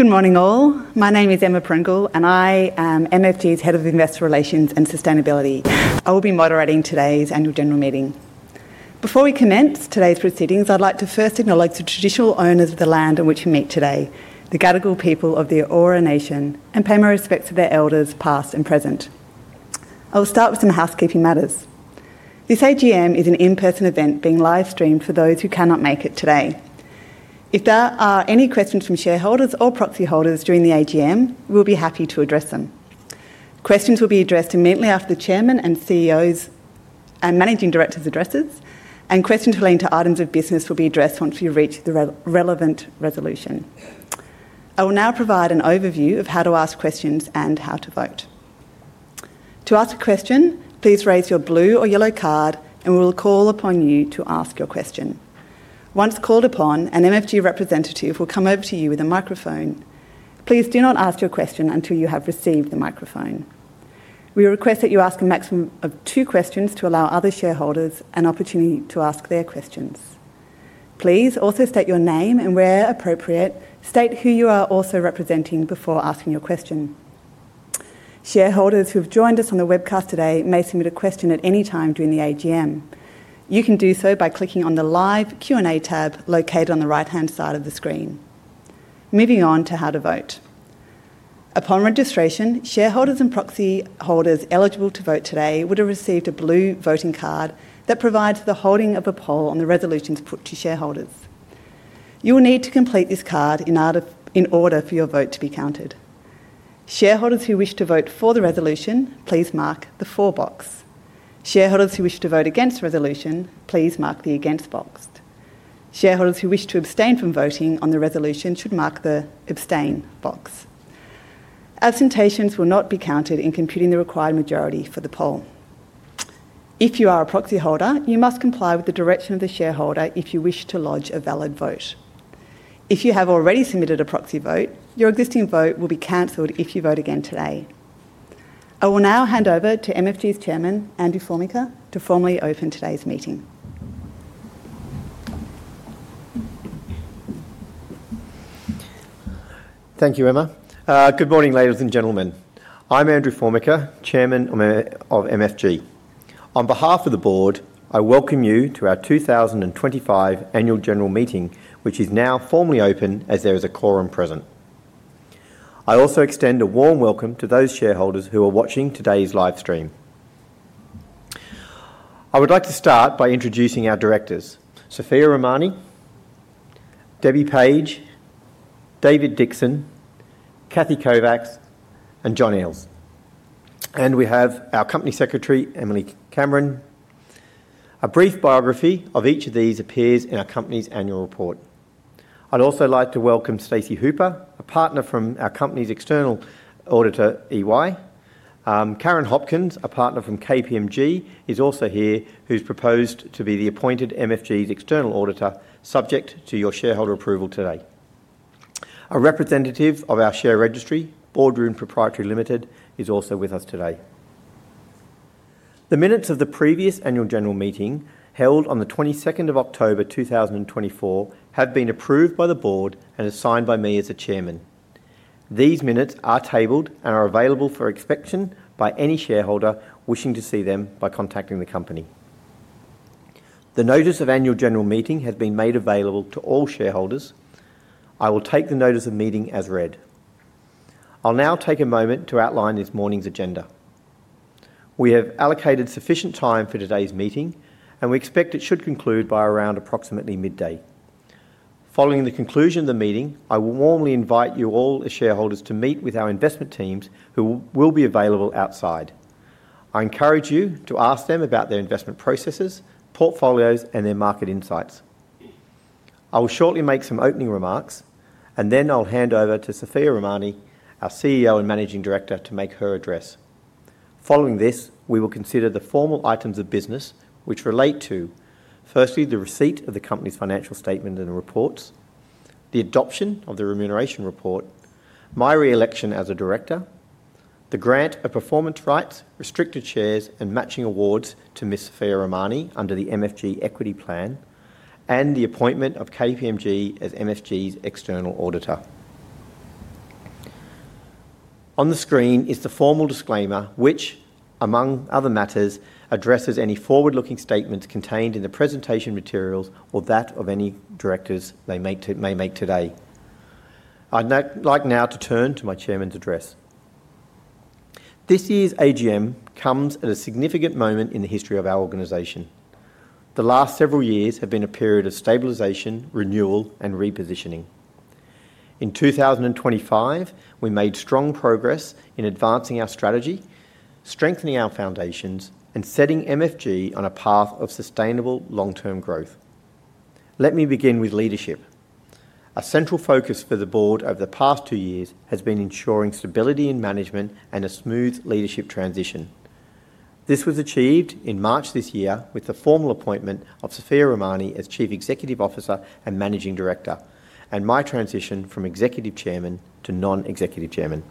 Good morning all. My name is Emma Pringle, and I am MFG's Head of Investor Relations and Sustainability. I will be moderating today's annual general meeting. Before we commence today's proceedings, I'd like to first acknowledge the traditional owners of the land on which we meet today, the Gadigal people of the Eora Nation, and pay my respects to their elders, past and present. I will start with some housekeeping matters. This AGM is an in-person event being live streamed for those who cannot make it today. If there are any questions from shareholders or proxy holders during the AGM, we'll be happy to address them. Questions will be addressed immediately after the Chairman and CEO's and Managing Director's addresses, and questions relating to items of business will be addressed once we reach the relevant resolution. I will now provide an overview of how to ask questions and how to vote. To ask a question, please raise your blue or yellow card, and we will call upon you to ask your question. Once called upon, a MFG representative will come over to you with a microphone. Please do not ask your question until you have received the microphone. We request that you ask a maximum of two questions to allow other shareholders an opportunity to ask their questions. Please also state your name and, where appropriate, state who you are also representing before asking your question. Shareholders who have joined us on the webcast today may submit a question at any time during the AGM. You can do so by clicking on the live Q&A tab located on the right-hand side of the screen. Moving on to how to vote. Upon registration, shareholders and proxy holders eligible to vote today would have received a blue voting card that provides the holding of a poll on the resolutions put to shareholders. You will need to complete this card in order for your vote to be counted. Shareholders who wish to vote for the resolution, please mark the for box. Shareholders who wish to vote against the resolution, please mark the against box. Shareholders who wish to abstain from voting on the resolution should mark the abstain box. Abstentions will not be counted in computing the required majority for the poll. If you are a proxy holder, you must comply with the direction of the shareholder if you wish to lodge a valid vote. If you have already submitted a proxy vote, your existing vote will be cancelled if you vote again today. I will now hand over to MFG's Chairman, Andrew Formica, to formally open today's meeting. Thank you, Emma. Good morning, ladies and gentlemen. I'm Andrew Formica, Chairman of MFG. On behalf of the Board, I welcome you to our 2025 annual general meeting, which is now formally open as there is a quorum present. I also extend a warm welcome to those shareholders who are watching today's live stream. I would like to start by introducing our Directors: Sophia Rahmani, Debbie Page, David Dixon, Catherine Kovacs, and John Eales. We have our Company Secretary, Emily Cameron. A brief biography of each of these appears in our company's annual report. I'd also like to welcome Stacey Hooper, a partner from our company's external auditor, EY. Karen Hopkins, a partner from KPMG, is also here, who's proposed to be appointed as MFG's external auditor, subject to your shareholder approval today. A representative of our share registry, Boardroom Proprietary Limited, is also with us today. The minutes of the previous annual general meeting held on the 22nd of October 2024 have been approved by the Board and are signed by me as the Chairman. These minutes are tabled and are available for inspection by any shareholder wishing to see them by contacting the company. The notice of annual general meeting has been made available to all shareholders. I will take the notice of meeting as read. I'll now take a moment to outline this morning's agenda. We have allocated sufficient time for today's meeting, and we expect it should conclude by around approximately midday. Following the conclusion of the meeting, I will warmly invite you all as shareholders to meet with our investment teams, who will be available outside. I encourage you to ask them about their investment processes, portfolios, and their market insights. I will shortly make some opening remarks, and then I'll hand over to Sophia Rahmani, our CEO and Managing Director, to make her address. Following this, we will consider the formal items of business which relate to, firstly, the receipt of the company's financial statement and reports, the adoption of the remuneration report, my reelection as a Director, the grant of performance rights, restricted shares, and matching awards to Ms. Sophia Rahmani under the MFG equity plan, and the appointment of KPMG as MFG's external auditor. On the screen is the formal disclaimer, which, among other matters, addresses any forward-looking statements contained in the presentation materials or that of any Directors they may make today. I'd like now to turn to my Chairman's address. This year's AGM comes at a significant moment in the history of our organization. The last several years have been a period of stabilization, renewal, and repositioning. In 2025, we made strong progress in advancing our strategy, strengthening our foundations, and setting MFG on a path of sustainable long-term growth. Let me begin with leadership. A central focus for the Board over the past two years has been ensuring stability in management and a smooth leadership transition. This was achieved in March this year with the formal appointment of Sophia Rahmani as Chief Executive Officer and Managing Director, and my transition from Executive Chairman to Non-Executive Chairman.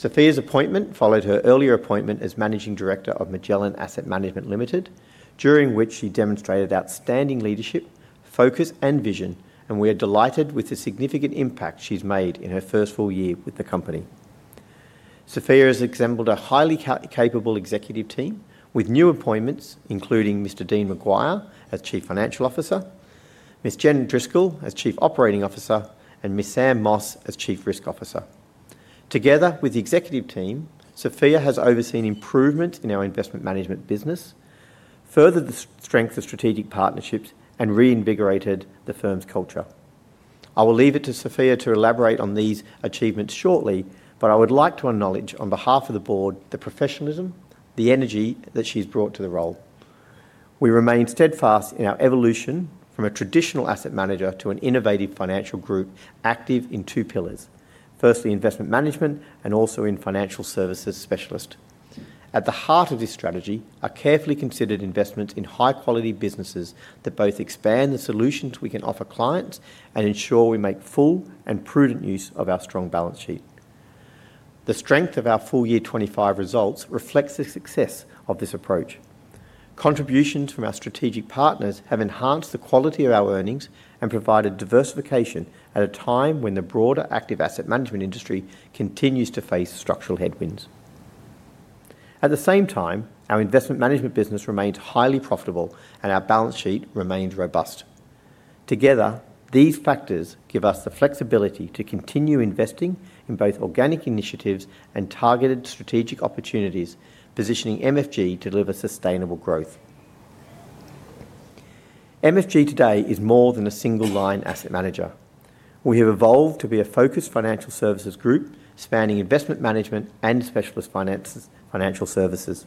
Sophia's appointment followed her earlier appointment as Managing Director of Magellan Asset Management Limited, during which she demonstrated outstanding leadership, focus, and vision, and we are delighted with the significant impact she's made in her first full year with the company. Sophia has assembled a highly capable executive team with new appointments, including Mr. Dean McGuire as Chief Financial Officer, Ms. Jen Driskill as Chief Operating Officer, and Ms. Sam Moss as Chief Risk Officer. Together with the executive team, Sophia has overseen improvement in our investment management business, furthered the strength of strategic partnerships, and reinvigorated the firm's culture. I will leave it to Sophia to elaborate on these achievements shortly, but I would like to acknowledge on behalf of the Board the professionalism, the energy that she's brought to the role. We remain steadfast in our evolution from a traditional asset manager to an innovative financial group active in two pillars: firstly, Investment management, and also in Financial services specialist. At the heart of this strategy are carefully considered investments in high-quality businesses that both expand the solutions we can offer clients and ensure we make full and prudent use of our strong balance sheet. The strength of our full year 2025 results reflects the success of this approach. Contributions from our strategic partners have enhanced the quality of our earnings and provided diversification at a time when the broader active asset management industry continues to face structural headwinds. At the same time, our investment management business remains highly profitable, and our balance sheet remains robust. Together, these factors give us the flexibility to continue investing in both organic initiatives and targeted strategic opportunities, positioning MFG to deliver sustainable growth. MFG today is more than a single line asset manager. We have evolved to be a focused financial services group spanning investment management and specialist financial services.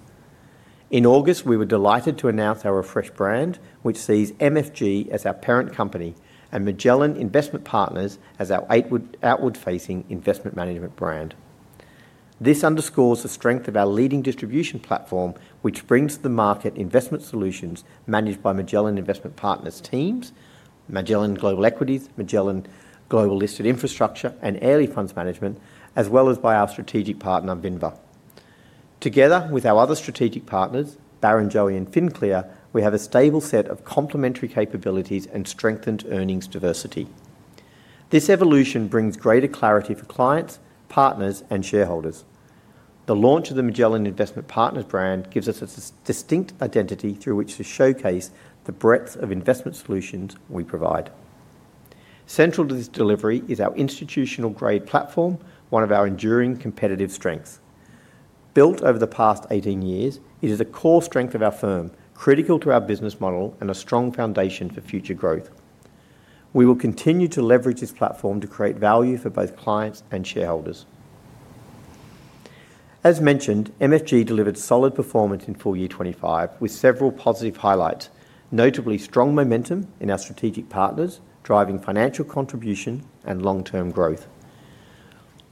In August, we were delighted to announce our refreshed brand, which sees MFG as our parent company and Magellan Investment Partners as our outward-facing investment management brand. This underscores the strength of our leading distribution platform, which brings to the market investment solutions managed by Magellan Investment Partners' teams: Magellan Global Equities, Magellan Global Listed Infrastructure, and Airlie Funds Management, as well as by our strategic partner Vinva. Together with our other strategic partners, Barrenjoey and FinClear, we have a stable set of complementary capabilities and strengthened earnings diversity. This evolution brings greater clarity for clients, partners, and shareholders. The launch of the Magellan Investment Partners brand gives us a distinct identity through which to showcase the breadth of investment solutions we provide. Central to this delivery is our institutional-grade distribution platform, one of our enduring competitive strengths. Built over the past 18 years, it is a core strength of our firm, critical to our business model, and a strong foundation for future growth. We will continue to leverage this platform to create value for both clients and shareholders. As mentioned, MFG delivered solid performance in full year 2025 with several positive highlights, notably strong momentum in our strategic partners driving financial contribution and long-term growth.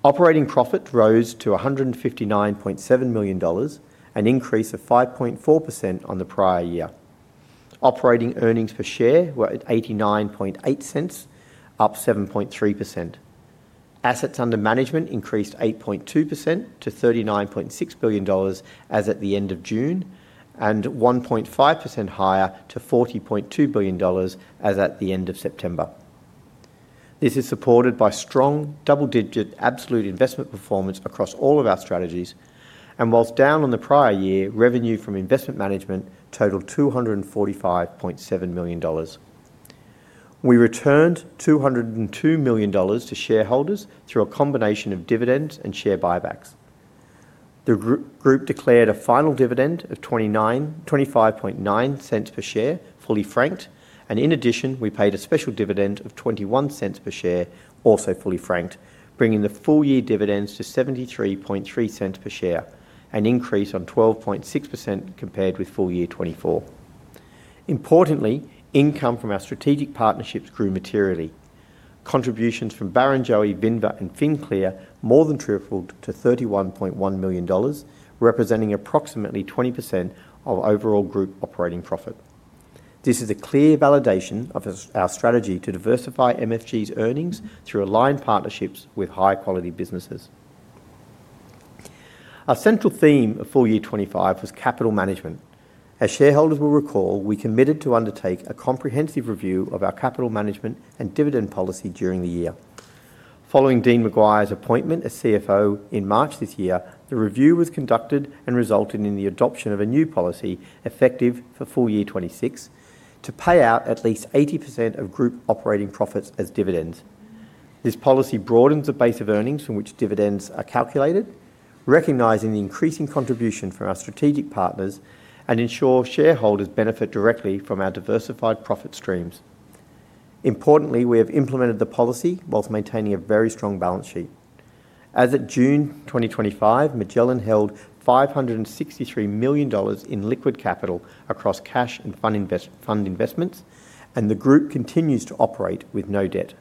Operating profit rose to 159.7 million dollars, an increase of 5.4% on the prior year. Operating earnings per share were at 0.898, up 7.3%. Assets under management increased 8.2% to 39.6 billion dollars as at the end of June, and 1.5% higher to 40.2 billion dollars as at the end of September. This is supported by strong double-digit absolute investment performance across all of our strategies, and whilst down on the prior year, revenue from investment management totaled 245.7 million dollars. We returned 202 million dollars to shareholders through a combination of dividends and share buybacks. The group declared a final dividend of 0.259/share, fully franked, and in addition, we paid a special dividend of 0.21/share, also fully franked, bringing the full year dividends to 0.733/share, an increase of 12.6% compared with full year 2024. Importantly, income from our strategic partnerships grew materially. Contributions from Barrenjoey, Vinva, and FinClear more than tripled to 31.1 million dollars, representing approximately 20% of overall group operating profit. This is a clear validation of our strategy to diversify MFG's earnings through aligned partnerships with high-quality businesses. Our central theme of full year 2025 was capital management. As shareholders will recall, we committed to undertake a comprehensive review of our capital management and dividend policy during the year. Following Dean McGuire's appointment as Chief Financial Officer in March this year, the review was conducted and resulted in the adoption of a new policy effective for full year 2026 to pay out at least 80% of group operating profits as dividends. This policy broadens the base of earnings from which dividends are calculated, recognizing the increasing contribution from our strategic partners, and ensures shareholders benefit directly from our diversified profit streams. Importantly, we have implemented the policy whilst maintaining a very strong balance sheet. As of June 2025, Magellan held 563 million dollars in liquid capital across cash and fund investments, and the group continues to operate with no debt.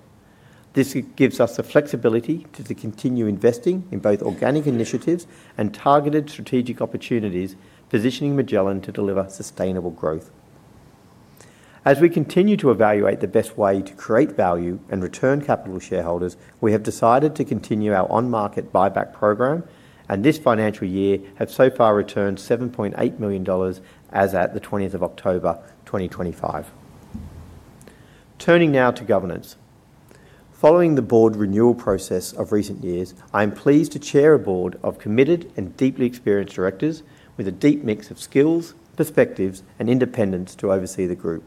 This gives us the flexibility to continue investing in both organic initiatives and targeted strategic opportunities, positioning Magellan to deliver sustainable growth. As we continue to evaluate the best way to create value and return capital to shareholders, we have decided to continue our on-market buyback program, and this financial year has so far returned 7.8 million dollars as at the 20th of October 2025. Turning now to governance. Following the Board renewal process of recent years, I am pleased to chair a Board of committed and deeply experienced Directors with a deep mix of skills, perspectives, and independence to oversee the group.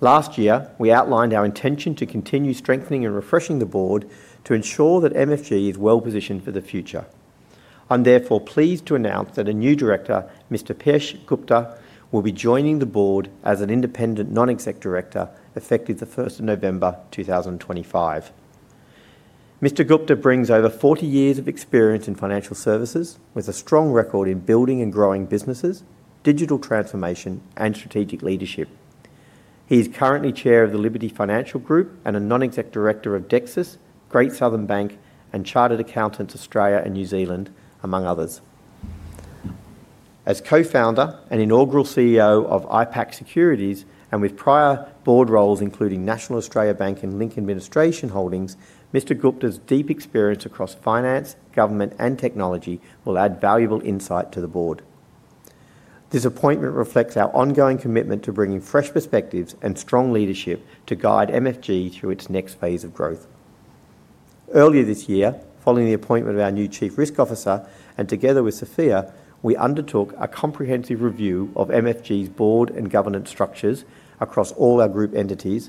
Last year, we outlined our intention to continue strengthening and refreshing the Board to ensure that MFG is well positioned for the future. I'm therefore pleased to announce that a new Director, Mr. Peeyush Gupta, will be joining the Board as an independent Non-Executive Director effective the 1st of November 2025. Mr. Gupta brings over 40 years of experience in financial services, with a strong record in building and growing businesses, digital transformation, and strategic leadership. He is currently Chair of the Liberty Financial Group and a Non-Executive Director of DEXUS, Great Southern Bank, and Chartered Accountants Australia and New Zealand, among others. As co-founder and inaugural CEO of IPAC Securities, and with prior Board roles including National Australia Bank and Lincoln Administration Holdings, Mr. Gupta's deep experience across finance, government, and technology will add valuable insight to the Board. This appointment reflects our ongoing commitment to bringing fresh perspectives and strong leadership to guide MFG through its next phase of growth. Earlier this year, following the appointment of our new Chief Risk Officer, and together with Sophia, we undertook a comprehensive review of MFG's board and governance structures across all our group entities,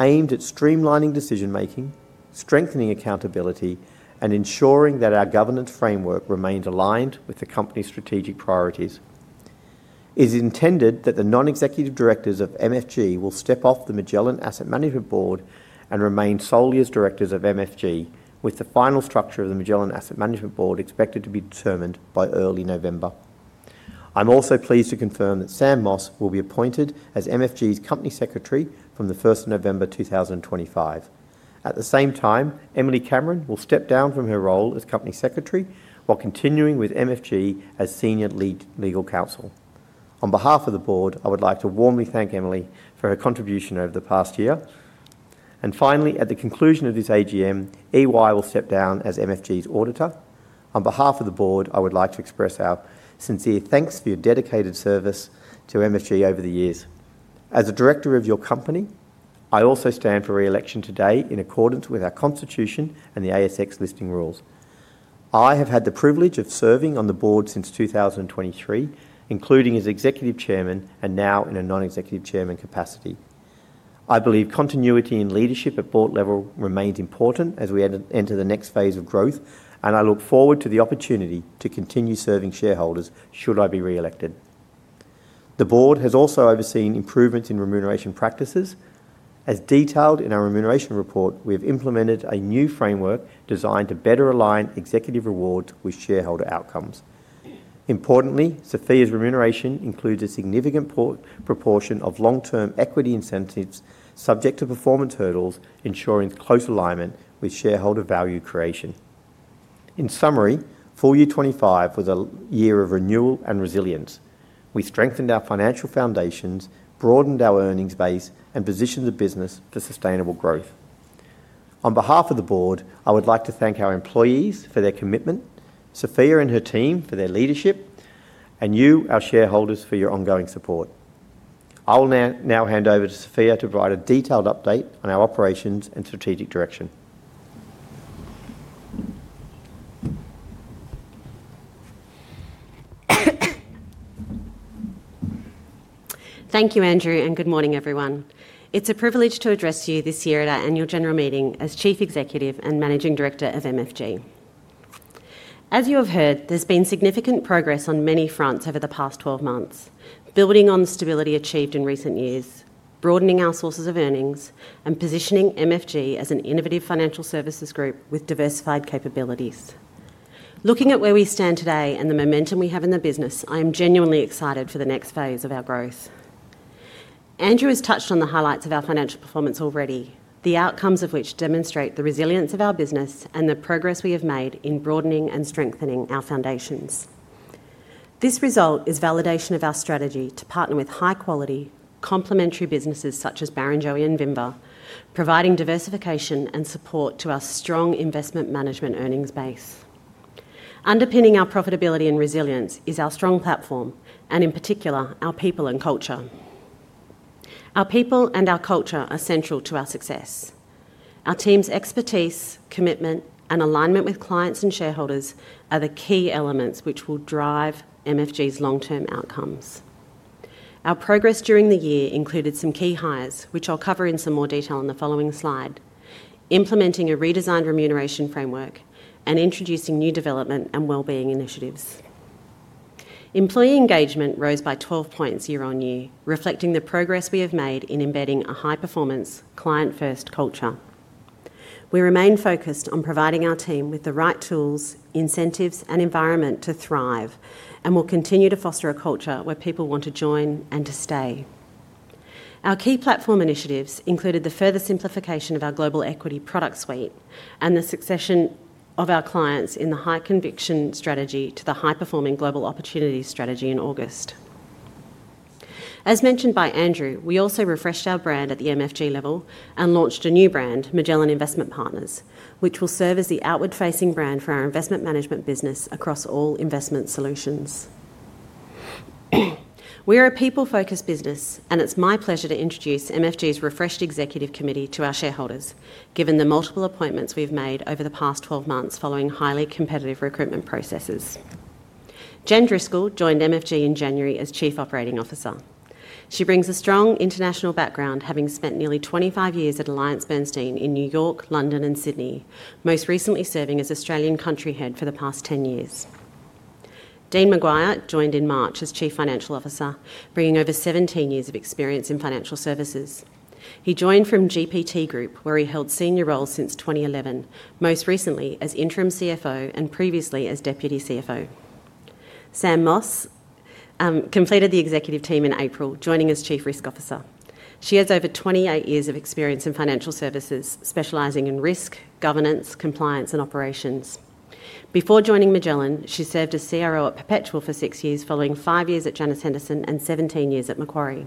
aimed at streamlining decision-making, strengthening accountability, and ensuring that our governance framework remained aligned with the company's strategic priorities. It is intended that the Non-Executive Directors of MFG will step off the Magellan Asset Management Board and remain solely as Directors of MFG, with the final structure of the Magellan Asset Management Board expected to be determined by early November. I'm also pleased to confirm that Sam Moss will be appointed as MFG's Company Secretary from the 1st of November 2025. At the same time, Emily Cameron will step down from her role as Company Secretary while continuing with MFG as Senior Lead Legal Counsel. On behalf of the Board, I would like to warmly thank Emily for her contribution over the past year. Finally, at the conclusion of this AGM, EY will step down as MFG's auditor. On behalf of the Board, I would like to express our sincere thanks for your dedicated service to MFG over the years. As a Director of your company, I also stand for reelection today in accordance with our Constitution and the ASX listing rules. I have had the privilege of serving on the Board since 2023, including as Executive Chairman and now in a Non-Executive Chairman capacity. I believe continuity in leadership at board level remains important as we enter the next phase of growth, and I look forward to the opportunity to continue serving shareholders should I be reelected. The Board has also overseen improvements in remuneration practices. As detailed in our remuneration report, we have implemented a new framework designed to better align executive rewards with shareholder outcomes. Importantly, Sophia's remuneration includes a significant proportion of long-term equity incentives subject to performance hurdles, ensuring close alignment with shareholder value creation. In summary, full year 2025 was a year of renewal and resilience. We strengthened our financial foundations, broadened our earnings base, and positioned the business for sustainable growth. On behalf of the Board, I would like to thank our employees for their commitment, Sophia and her team for their leadership, and you, our shareholders, for your ongoing support. I will now hand over to Sophia to provide a detailed update on our operations and strategic direction. Thank you, Andrew, and good morning, everyone. It's a privilege to address you this year at our annual general meeting as Chief Executive and Managing Director of MFG. As you have heard, there's been significant progress on many fronts over the past 12 months, building on the stability achieved in recent years, broadening our sources of earnings, and positioning MFG as an innovative financial services group with diversified capabilities. Looking at where we stand today and the momentum we have in the business, I am genuinely excited for the next phase of our growth. Andrew has touched on the highlights of our financial performance already, the outcomes of which demonstrate the resilience of our business and the progress we have made in broadening and strengthening our foundations. This result is validation of our strategy to partner with high-quality, complementary businesses such as Barrenjoey and Vinva, providing diversification and support to our strong investment management earnings base. Underpinning our profitability and resilience is our strong platform, and in particular, our people and culture. Our people and our culture are central to our success. Our team's expertise, commitment, and alignment with clients and shareholders are the key elements which will drive MFGs long-term outcomes. Our progress during the year included some key hires, which I'll cover in some more detail on the following slide, implementing a redesigned remuneration framework, and introducing new development and wellbeing initiatives. Employee engagement rose by 12% year-on-year, reflecting the progress we have made in embedding a high-performance, client-first culture. We remain focused on providing our team with the right tools, incentives, and environment to thrive, and will continue to foster a culture where people want to join and to stay. Our key platform initiatives included the further simplification of our global equity product suite and the succession of our clients in the high-conviction strategy to the high-performing global opportunity strategy in August. As mentioned by Andrew, we also refreshed our brand at the MFG level and launched a new brand, Magellan Investment Partners, which will serve as the outward-facing brand for our investment management business across all investment solutions. We are a people-focused business, and it's my pleasure to introduce MFG's refreshed Executive Committee to our shareholders, given the multiple appointments we've made over the past 12 months following highly competitive recruitment processes. Jen Driskill joined MFG in January as Chief Operating Officer. She brings a strong international background, having spent nearly 25 years at Alliance Bernstein in New York, London, and Sydney, most recently serving as Australian Country Head for the past 10 years. Dean McGuire joined in March as Chief Financial Officer, bringing over 17 years of experience in financial services. He joined from GPT Group, where he held senior roles since 2011, most recently as Interim CFO and previously as Deputy CFO. Sam Moss completed the executive team in April, joining as Chief Risk Officer. She has over 28 years of experience in financial services, specializing in risk, governance, compliance, and operations. Before joining Magellan, she served as CRO at Perpetual for six years, following five years at Janus Henderson and 17 years at Macquarie.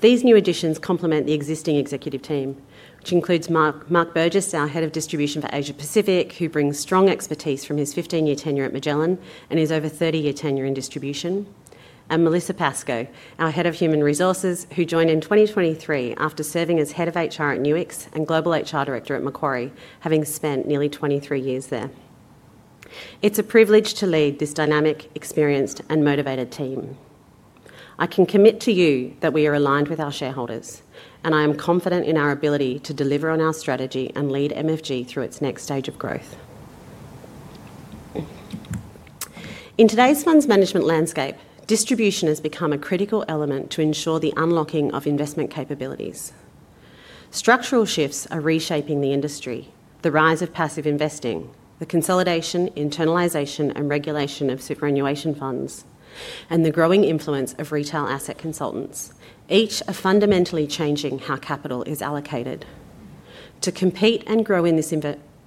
These new additions complement the existing executive team, which includes Mark Burgess, our Head of Distribution for Asia Pacific, who brings strong expertise from his 15-year tenure at Magellan and his over 30-year tenure in distribution, and Melissa Pasco, our Head of Human Resources, who joined in 2023 after serving as Head of HR at NUX and Global HR Director at Macquarie, having spent nearly 23 years there. It's a privilege to lead this dynamic, experienced, and motivated team. I can commit to you that we are aligned with our shareholders, and I am confident in our ability to deliver on our strategy and lead MFG through its next stage of growth. In today's funds management landscape, distribution has become a critical element to ensure the unlocking of investment capabilities. Structural shifts are reshaping the industry: the rise of passive investing, the consolidation, internalization, and regulation of superannuation funds, and the growing influence of retail asset consultants, each fundamentally changing how capital is allocated. To compete and grow in this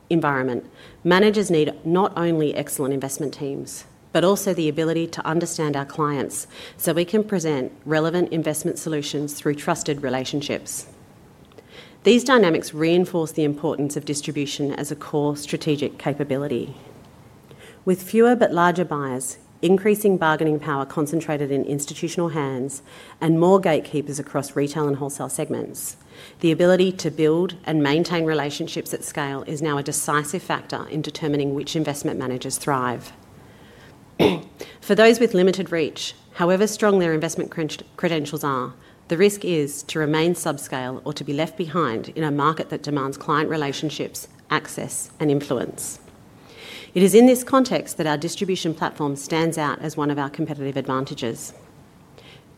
environment, managers need not only excellent investment teams but also the ability to understand our clients so we can present relevant investment solutions through trusted relationships. These dynamics reinforce the importance of distribution as a core strategic capability. With fewer but larger buyers, increasing bargaining power concentrated in institutional hands, and more gatekeepers across retail and wholesale segments, the ability to build and maintain relationships at scale is now a decisive factor in determining which investment managers thrive. For those with limited reach, however strong their investment credentials are, the risk is to remain subscale or to be left behind in a market that demands client relationships, access, and influence. It is in this context that our distribution platform stands out as one of our competitive advantages.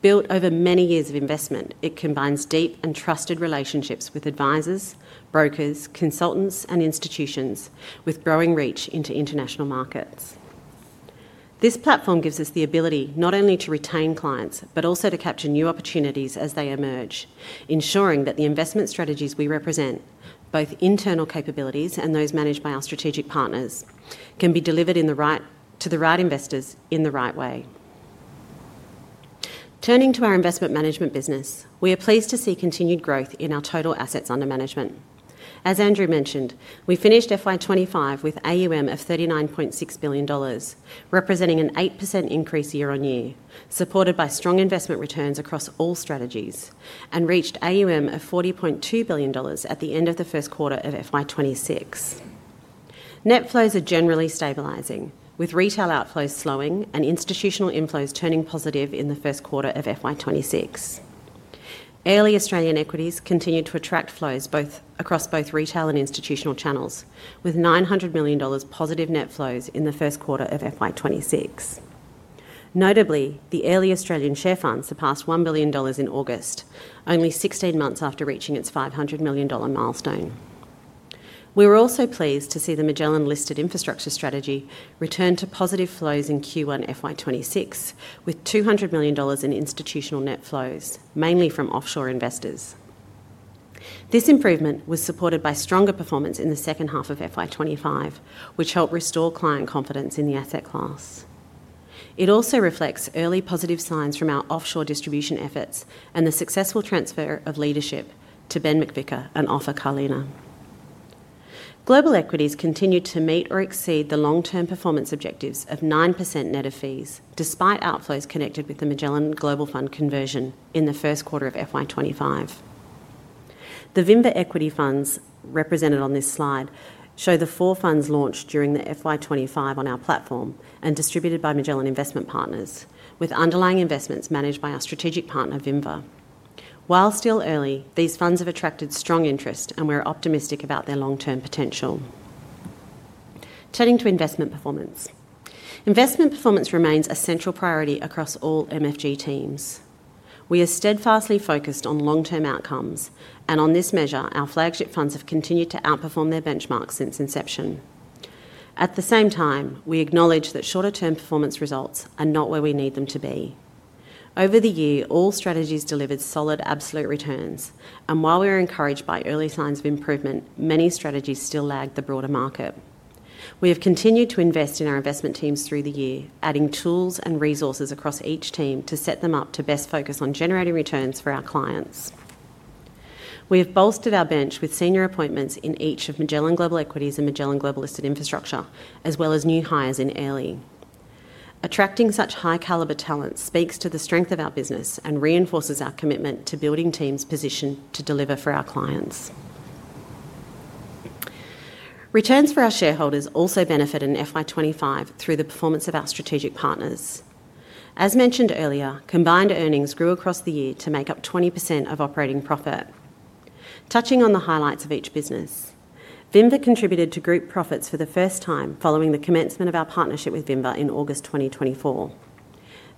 Built over many years of investment, it combines deep and trusted relationships with advisors, brokers, consultants, and institutions, with growing reach into international markets. This platform gives us the ability not only to retain clients but also to capture new opportunities as they emerge, ensuring that the investment strategies we represent, both internal capabilities and those managed by our strategic partners, can be delivered to the right investors in the right way. Turning to our investment management business, we are pleased to see continued growth in our total assets under management. As Andrew Formica mentioned, we finished FY 2025 with AUM of AUD 39.6 billion, representing an 8% increase year-on-year, supported by strong investment returns across all strategies, and reached AUM of 40.2 billion dollars at the end of the first quarter of FY 2026. Net flows are generally stabilizing, with retail outflows slowing and institutional inflows turning positive in the first quarter of FY 2026. Airlie Australian equities continue to attract flows across both retail and institutional channels, with 900 million dollars + net flows in the first quarter of FY 2026. Notably, the Airlie Australian Share Fund surpassed 1 billion dollars in August, only 16 months after reaching its 500 million dollar milestone. We were also pleased to see the Magellan Listed Infrastructure strategy return to positive flows in Q1 FY 2026, with 200 million dollars in institutional net flows, mainly from offshore investors. This improvement was supported by stronger performance in the second half of FY 2025, which helped restore client confidence in the asset class. It also reflects early positive signs from our offshore distribution efforts and the successful transfer of leadership to Ben McVicar and Ofer Karliner. Global equities continued to meet or exceed the long-term performance objectives of 9% net of fees, despite outflows connected with the Magellan Global Fund conversion in the first quarter of FY 2025. The Vinva equity funds represented on this slide show the four funds launched during the FY 2025 on our platform and distributed by Magellan Investment Partners, with underlying investments managed by our strategic partner, Vinva. While still early, these funds have attracted strong interest, and we're optimistic about their long-term potential. Turning to investment performance, investment performance remains a central priority across all MFG teams. We are steadfastly focused on long-term outcomes, and on this measure, our flagship funds have continued to outperform their benchmarks since inception. At the same time, we acknowledge that shorter-term performance results are not where we need them to be. Over the year, all strategies delivered solid absolute returns, and while we're encouraged by early signs of improvement, many strategies still lag the broader market. We have continued to invest in our investment teams through the year, adding tools and resources across each team to set them up to best focus on generating returns for our clients. We have bolstered our bench with senior appointments in each of Magellan Global Equities and Magellan Global Listed Infrastructure, as well as new hires in Airlie. Attracting such high-caliber talent speaks to the strength of our business and reinforces our commitment to building teams positioned to deliver for our clients. Returns for our shareholders also benefit in FY 2025 through the performance of our strategic partners. As mentioned earlier, combined earnings grew across the year to make up 20% of operating profit. Touching on the highlights of each business, Vinva contributed to group profits for the first time following the commencement of our partnership with Vinva in August 2024.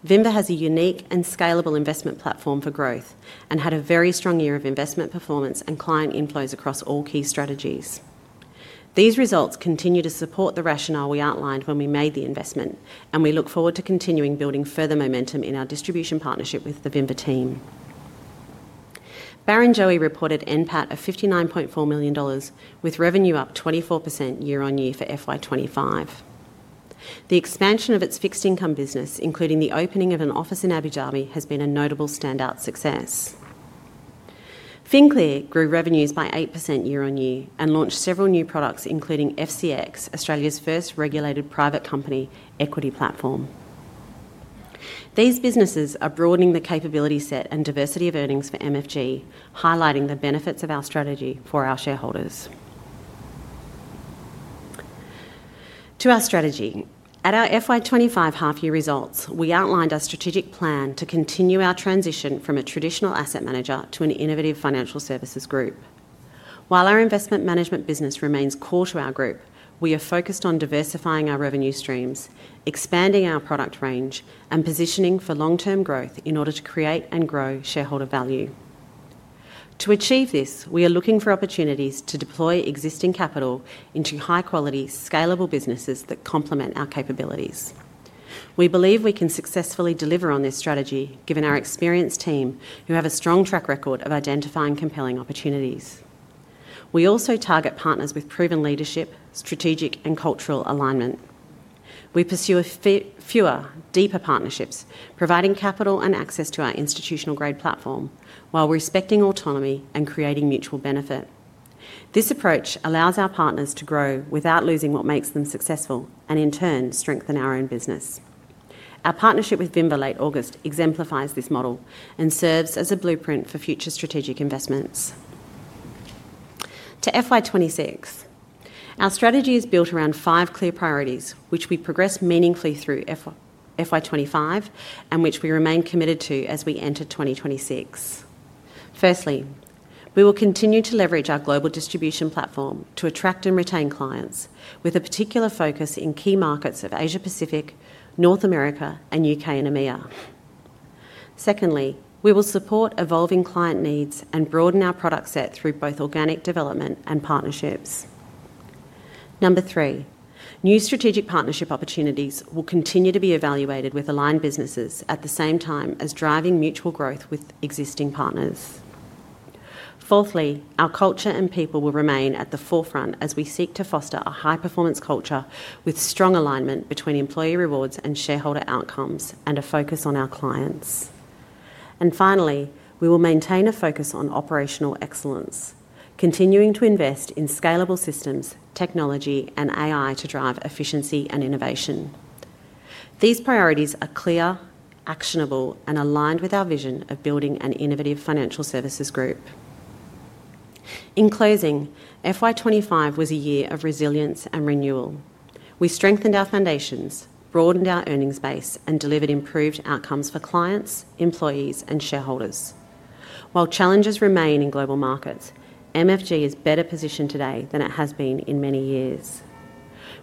Vinva has a unique and scalable investment platform for growth and had a very strong year of investment performance and client inflows across all key strategies. These results continue to support the rationale we outlined when we made the investment, and we look forward to continuing building further momentum in our distribution partnership with the Vinva team. Barrenjoey reported NPAT of 59.4 million dollars, with revenue up 24% year-on-year for FY 2025. The expansion of its fixed income business, including the opening of an office in Abu Dhabi, has been a notable standout success. FinClear grew revenues by 8% year-on-year and launched several new products, including FCX, Australia's first regulated private company equity platform. These businesses are broadening the capability set and diversity of earnings for MFG, highlighting the benefits of our strategy for our shareholders. To our strategy, at our FY 2025 half-year results, we outlined our strategic plan to continue our transition from a traditional asset manager to an innovative financial services group. While our investment management business remains core to our group, we are focused on diversifying our revenue streams, expanding our product range, and positioning for long-term growth in order to create and grow shareholder value. To achieve this, we are looking for opportunities to deploy existing capital into high-quality, scalable businesses that complement our capabilities. We believe we can successfully deliver on this strategy, given our experienced team who have a strong track record of identifying compelling opportunities. We also target partners with proven leadership, strategic, and cultural alignment. We pursue fewer, deeper partnerships, providing capital and access to our institutional-grade platform while respecting autonomy and creating mutual benefit. This approach allows our partners to grow without losing what makes them successful and, in turn, strengthen our own business. Our partnership with Vinva late August exemplifies this model and serves as a blueprint for future strategic investments. To FY 2026, our strategy is built around five clear priorities, which we progress meaningfully through FY 2025 and which we remain committed to as we enter 2026. Firstly, we will continue to leverage our global distribution platform to attract and retain clients, with a particular focus in key markets of Asia Pacific, North America, and U.K. and EMEA. Secondly, we will support evolving client needs and broaden our product set through both organic development and partnerships. Number three, new strategic partnership opportunities will continue to be evaluated with aligned businesses at the same time as driving mutual growth with existing partners. Fourthly, our culture and people will remain at the forefront as we seek to foster a high-performance culture with strong alignment between employee rewards and shareholder outcomes and a focus on our clients. Finally, we will maintain a focus on operational excellence, continuing to invest in scalable systems, technology, and AI to drive efficiency and innovation. These priorities are clear, actionable, and aligned with our vision of building an innovative financial services group. In closing, FY 2025 was a year of resilience and renewal. We strengthened our foundations, broadened our earnings base, and delivered improved outcomes for clients, employees, and shareholders. While challenges remain in global markets, MFG is better positioned today than it has been in many years.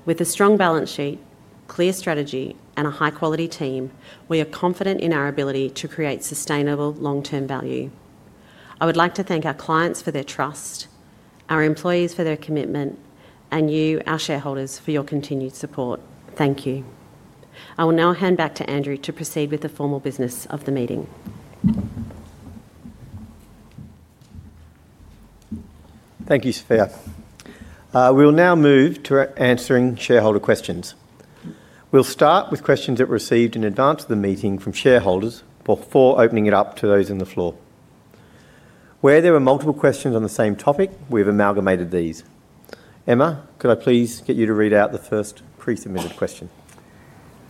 With a strong balance sheet, clear strategy, and a high-quality team, we are confident in our ability to create sustainable long-term value. I would like to thank our clients for their trust, our employees for their commitment, and you, our shareholders, for your continued support. Thank you. I will now hand back to Andrew to proceed with the formal business of the meeting. Thank you, Sophia. We will now move to answering shareholder questions. We'll start with questions that were received in advance of the meeting from shareholders before opening it up to those on the floor. Where there were multiple questions on the same topic, we have amalgamated these. Emma, could I please get you to read out the first pre-submitted question?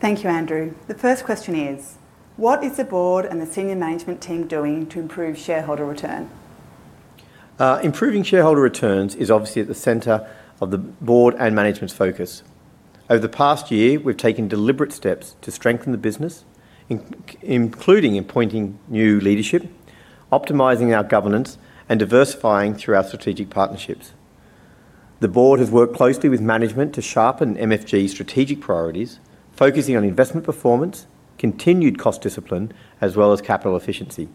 Thank you, Andrew. The first question is, what is the Board and the Senior Management team doing to improve shareholder return? Improving shareholder returns is obviously at the center of the Board and management's focus. Over the past year, we've taken deliberate steps to strengthen the business, including appointing new leadership, optimizing our governance, and diversifying through our strategic partnerships. The Board has worked closely with management to sharpen MFG's strategic priorities, focusing on investment performance, continued cost discipline, as well as capital efficiency.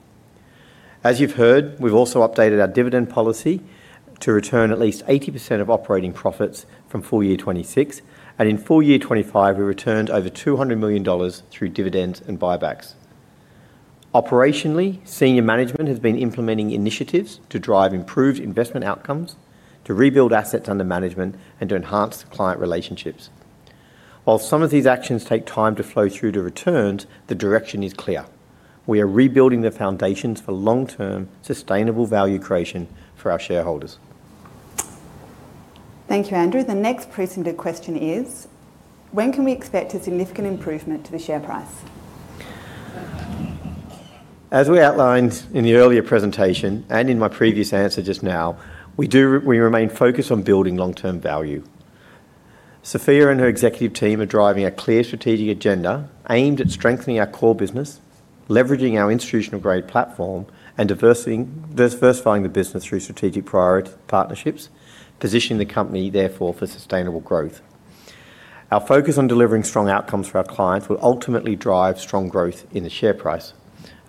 As you've heard, we've also updated our dividend policy to return at least 80% of operating profits from full year 2026, and in full year 2025, we returned over 200 million dollars through dividends and buybacks. Operationally, senior management has been implementing initiatives to drive improved investment outcomes, to rebuild assets under management, and to enhance client relationships. While some of these actions take time to flow through to returns, the direction is clear. We are rebuilding the foundations for long-term, sustainable value creation for our shareholders. Thank you, Andrew. The next pre-submitted question is, when can we expect a significant improvement to the share price? As we outlined in the earlier presentation and in my previous answer just now, we remain focused on building long-term value. Sophia and her executive team are driving a clear strategic agenda aimed at strengthening our core business, leveraging our institutional-grade platform, and diversifying the business through strategic priority partnerships, positioning the company, therefore, for sustainable growth. Our focus on delivering strong outcomes for our clients will ultimately drive strong growth in the share price,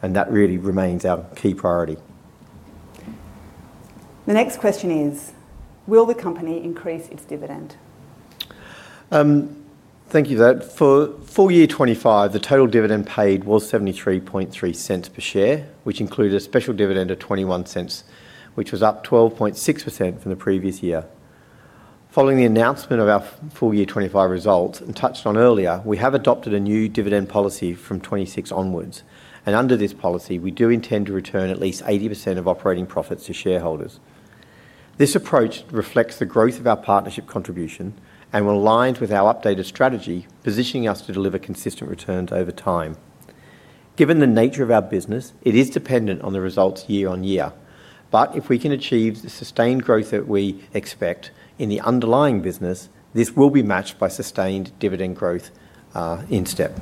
and that really remains our key priority. The next question is, will the company increase its dividend? Thank you for that. For full year 2025, the total dividend paid was 0.733/share, which included a special dividend of 0.21, which was up 12.6% from the previous year. Following the announcement of our full year 2025 results, and touched on earlier, we have adopted a new dividend policy from 2026 onwards, and under this policy, we do intend to return at least 80% of operating profits to shareholders. This approach reflects the growth of our partnership contribution and aligns with our updated strategy, positioning us to deliver consistent returns over time. Given the nature of our business, it is dependent on the results year on year, but if we can achieve the sustained growth that we expect in the underlying business, this will be matched by sustained dividend growth instep.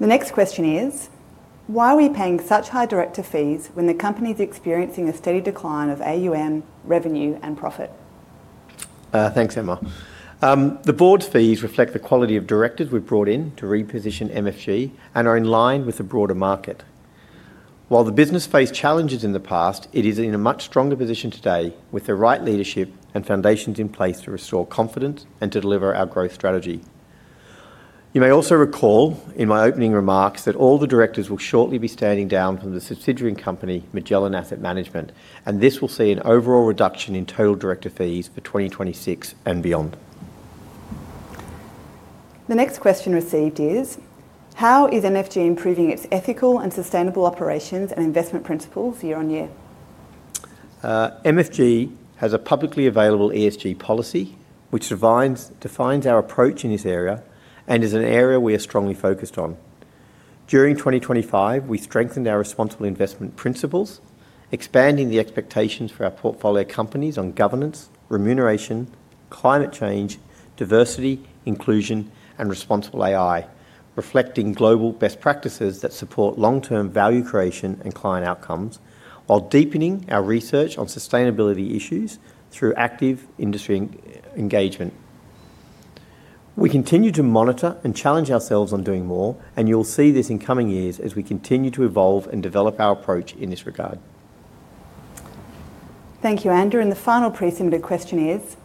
The next question is, why are we paying such high director fees when the company is experiencing a steady decline of AUM, revenue, and profit? Thanks, Emma. The Board's fees reflect the quality of directors we've brought in to reposition MFG and are in line with the broader market. While the business faced challenges in the past, it is in a much stronger position today with the right leadership and foundations in place to restore confidence and to deliver our growth strategy. You may also recall in my opening remarks that all the directors will shortly be standing down from the subsidiary company, Magellan Asset Management, and this will see an overall reduction in total director fees for 2026 and beyond. The next question received is, how is MFG improving its ethical and sustainable operations and investment principles year-on-year? MFG has a publicly available ESG policy, which defines our approach in this area and is an area we are strongly focused on. During 2025, we strengthened our responsible investment principles, expanding the expectations for our portfolio companies on governance, remuneration, climate change, diversity, inclusion, and responsible AI, reflecting global best practices that support long-term value creation and client outcomes, while deepening our research on sustainability issues through active industry engagement. We continue to monitor and challenge ourselves on doing more, and you'll see this in coming years as we continue to evolve and develop our approach in this regard. Thank you, Andrew. The final pre-submitted question is,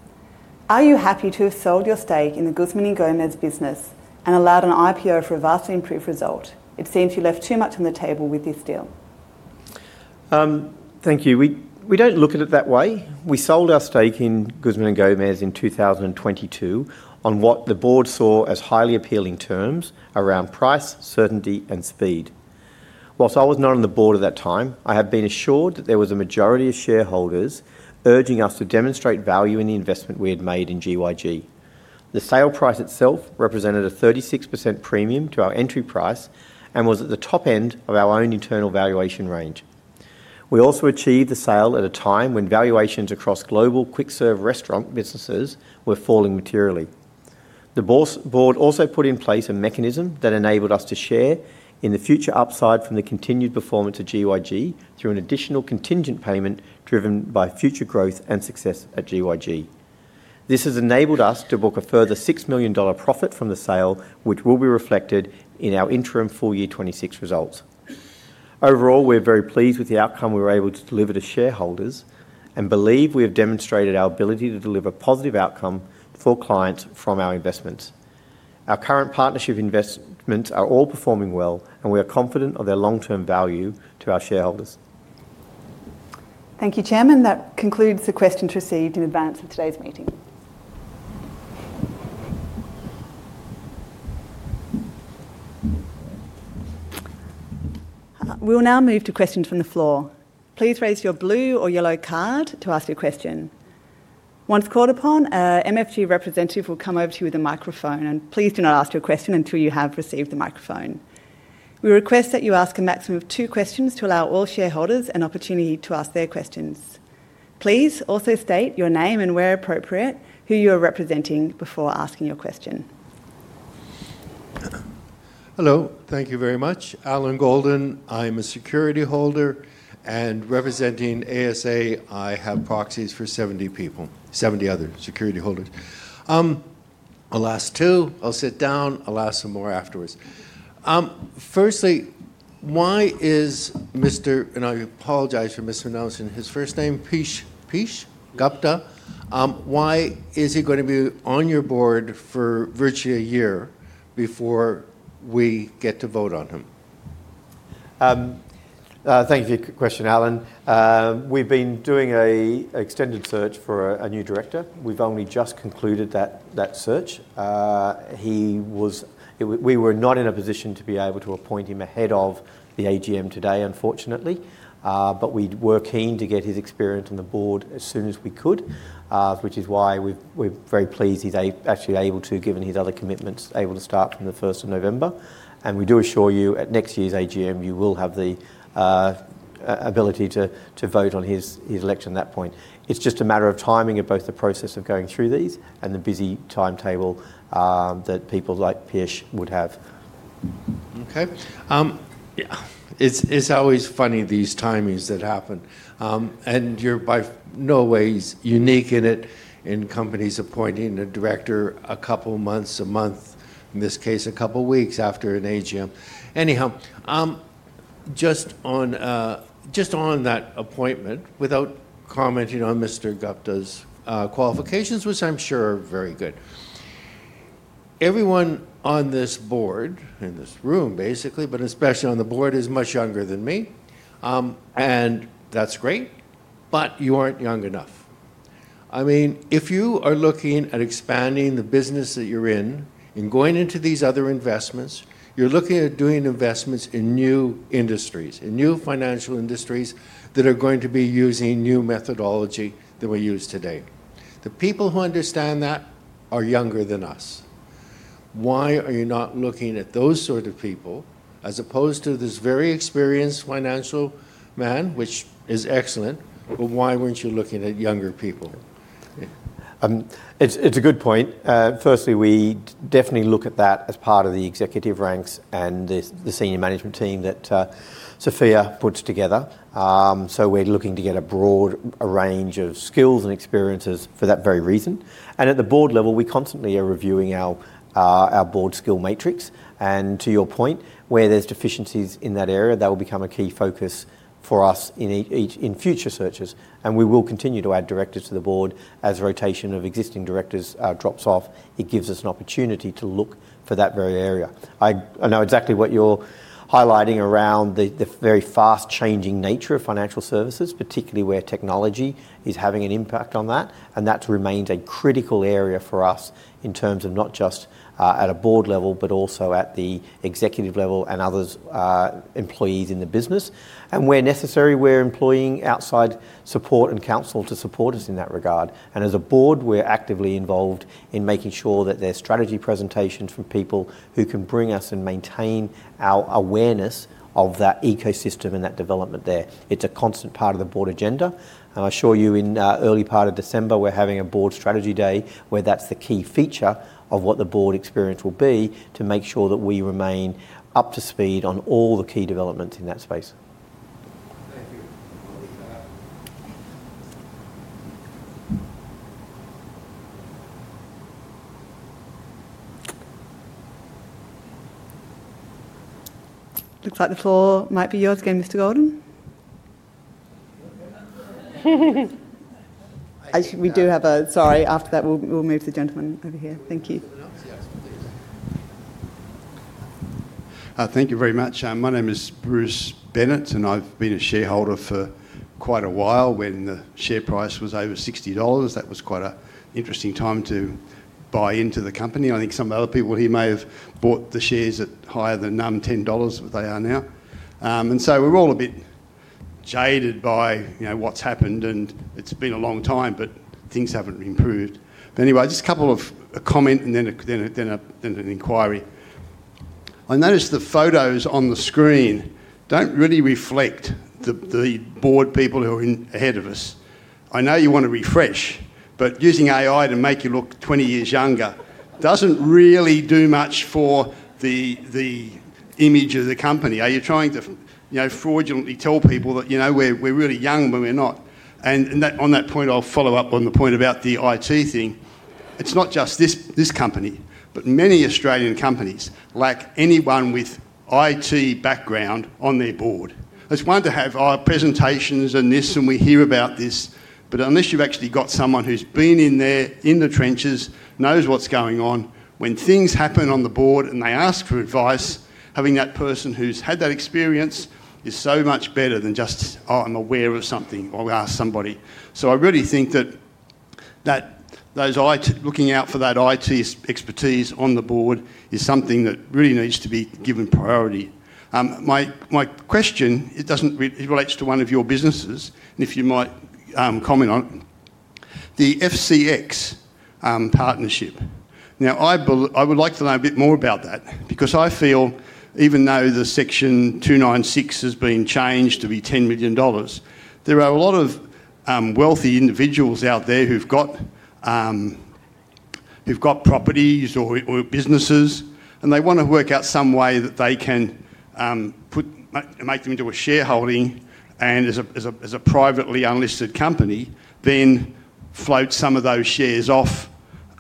are you happy to have sold your stake in the Guzman & Gomez business and allowed an IPO for a vastly improved result? It seems you left too much on the table with this deal. Thank you. We don't look at it that way. We sold our stake in Guzman & Gomez in 2022 on what the Board saw as highly appealing terms around price, certainty, and speed. Whilst I was not on the Board at that time, I have been assured that there was a majority of shareholders urging us to demonstrate value in the investment we had made in GYG. The sale price itself represented a 36% premium to our entry price and was at the top end of our own internal valuation range. We also achieved the sale at a time when valuations across global quick-serve restaurant businesses were falling materially. The Board also put in place a mechanism that enabled us to share in the future upside from the continued performance of GYG through an additional contingent payment driven by future growth and success at GYG. This has enabled us to book a further 6 million dollar profit from the sale, which will be reflected in our interim full year 2026 results. Overall, we're very pleased with the outcome we were able to deliver to shareholders and believe we have demonstrated our ability to deliver positive outcome for clients from our investments. Our current partnership investments are all performing well, and we are confident of their long-term value to our shareholders. Thank you, Chairman. That concludes the questions received in advance of today's meeting. We will now move to questions from the floor. Please raise your blue or yellow card to ask your question. Once called upon, a MFG representative will come over to you with a microphone, and please do not ask your question until you have received the microphone. We request that you ask a maximum of two questions to allow all shareholders an opportunity to ask their questions. Please also state your name and, where appropriate, who you are representing before asking your question. Hello. Thank you very much. Alan Golden, I am a security holder, and representing ASA, I have proxies for 70 people, 70 other security holders. I'll ask two. I'll sit down. I'll ask some more afterwards. Firstly, why is Mr., and I apologize for mispronouncing his first name, Peeyush Gupta? Why is he going to be on your board for virtually a year before we get to vote on him? Thank you for your question, Alan. We've been doing an extended search for a new director. We've only just concluded that search. We were not in a position to be able to appoint him ahead of the AGM today, unfortunately. We were keen to get his experience on the Board as soon as we could, which is why we're very pleased he's actually able to, given his other commitments, able to start from the 1st of November. We do assure you at next year's AGM, you will have the ability to vote on his election at that point. It's just a matter of timing of both the process of going through these and the busy timetable that people like Peeyush would have. Okay. It's always funny, these timings that happen. You're by no means unique in it, in companies appointing a director a couple of months, a month, in this case, a couple of weeks after an AGM. Anyhow, just on that appointment, without commenting on Mr. Gupta's qualifications, which I'm sure are very good, everyone on this board, in this room basically, but especially on the board, is much younger than me, and that's great, but you aren't young enough. I mean, if you are looking at expanding the business that you're in and going into these other investments, you're looking at doing investments in new industries, in new financial industries that are going to be using new methodology than we use today. The people who understand that are younger than us. Why are you not looking at those sort of people as opposed to this very experienced financial man, which is excellent, but why weren't you looking at younger people? It's a good point. Firstly, we definitely look at that as part of the executive ranks and the Senior Management team that Sophia puts together. We're looking to get a broad range of skills and experiences for that very reason. At the Board level, we constantly are reviewing our Board skill matrix, and to your point, where there's deficiencies in that area, that will become a key focus for us in future searches. We will continue to add directors to the Board as rotation of existing directors drops off. It gives us an opportunity to look for that very area. I know exactly what you're highlighting around the very fast-changing nature of financial services, particularly where technology is having an impact on that, and that remains a critical area for us in terms of not just at a Board level, but also at the executive level and other employees in the business. Where necessary, we're employing outside support and counsel to support us in that regard. As a Board, we're actively involved in making sure that there's strategy presentations from people who can bring us and maintain our awareness of that ecosystem and that development there. It's a constant part of the Board agenda. I assure you, in the early part of December, we're having a Board strategy day where that's the key feature of what the Board experience will be to make sure that we remain up to speed on all the key developments in that space. Thank you. Looks like the floor might be yours again, Mr. Golden. We do have a question. After that, we'll move to the gentleman over here. Thank you. Thank you very much. My name is Bruce Bennett, and I've been a shareholder for quite a while. When the share price was over 60 dollars, that was quite an interesting time to buy into the company. I think some other people here may have bought the shares at higher than 10 dollars, what they are now. We're all a bit jaded by what's happened, and it's been a long time, but things haven't improved. Anyway, just a couple of comments and then an inquiry. I noticed the photos on the screen don't really reflect the board people who are ahead of us. I know you want to refresh, but using AI to make you look 20 years younger doesn't really do much for the image of the company. Are you trying to fraudulently tell people that we're really young when we're not? On that point, I'll follow up on the point about the IT thing. It's not just this company, but many Australian companies lack anyone with IT background on their board. It's wonderful to have presentations on this, and we hear about this, but unless you've actually got someone who's been in there, in the trenches, knows what's going on, when things happen on the board and they ask for advice, having that person who's had that experience is so much better than just, oh, I'm aware of something or ask somebody. I really think that those looking out for that IT expertise on the board is something that really needs to be given priority. My question, it relates to one of your businesses, and if you might comment on it, the FCX platform partnership. I would like to know a bit more about that because I feel, even though the Section 296 has been changed to be 10 million dollars, there are a lot of wealthy individuals out there who've got properties or businesses, and they want to work out some way that they can make them into a shareholding, and as a privately unlisted company, then float some of those shares off.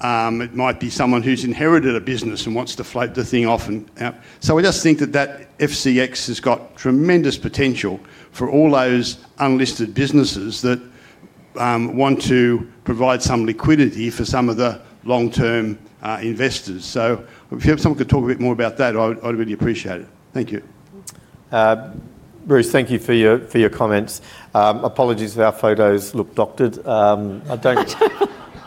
It might be someone who's inherited a business and wants to float the thing off. I just think that the FCX platform has got tremendous potential for all those unlisted businesses that want to provide some liquidity for some of the long-term investors. If you have someone who could talk a bit more about that, I'd really appreciate it. Thank you. Bruce, thank you for your comments. Apologies if our photos look doctored.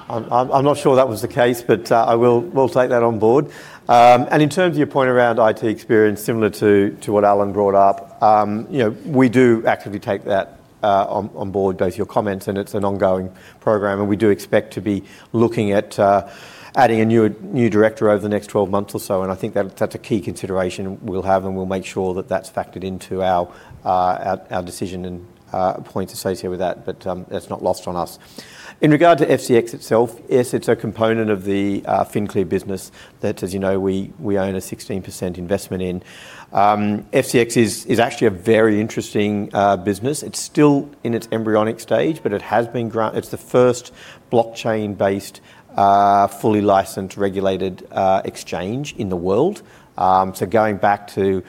I'm not sure that was the case, but we'll take that on board. In terms of your point around IT experience, similar to what Alan brought up, we do actively take that on board, both your comments, and it's an ongoing program. We do expect to be looking at adding a new director over the next 12 months or so. I think that's a key consideration we'll have, and we'll make sure that that's factored into our decision and points associated with that. That's not lost on us. In regard to FCX itself, yes, it's a component of the FinClear business that, as you know, we own a 16% investment in. FCX is actually a very interesting business. It's still in its embryonic stage, but it's the first blockchain-based, fully licensed, regulated exchange in the world. Going back to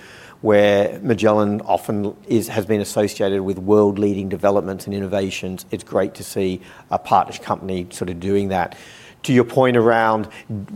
where Magellan often has been associated with world-leading developments and innovations, it's great to see a partnership company sort of doing that. To your point around,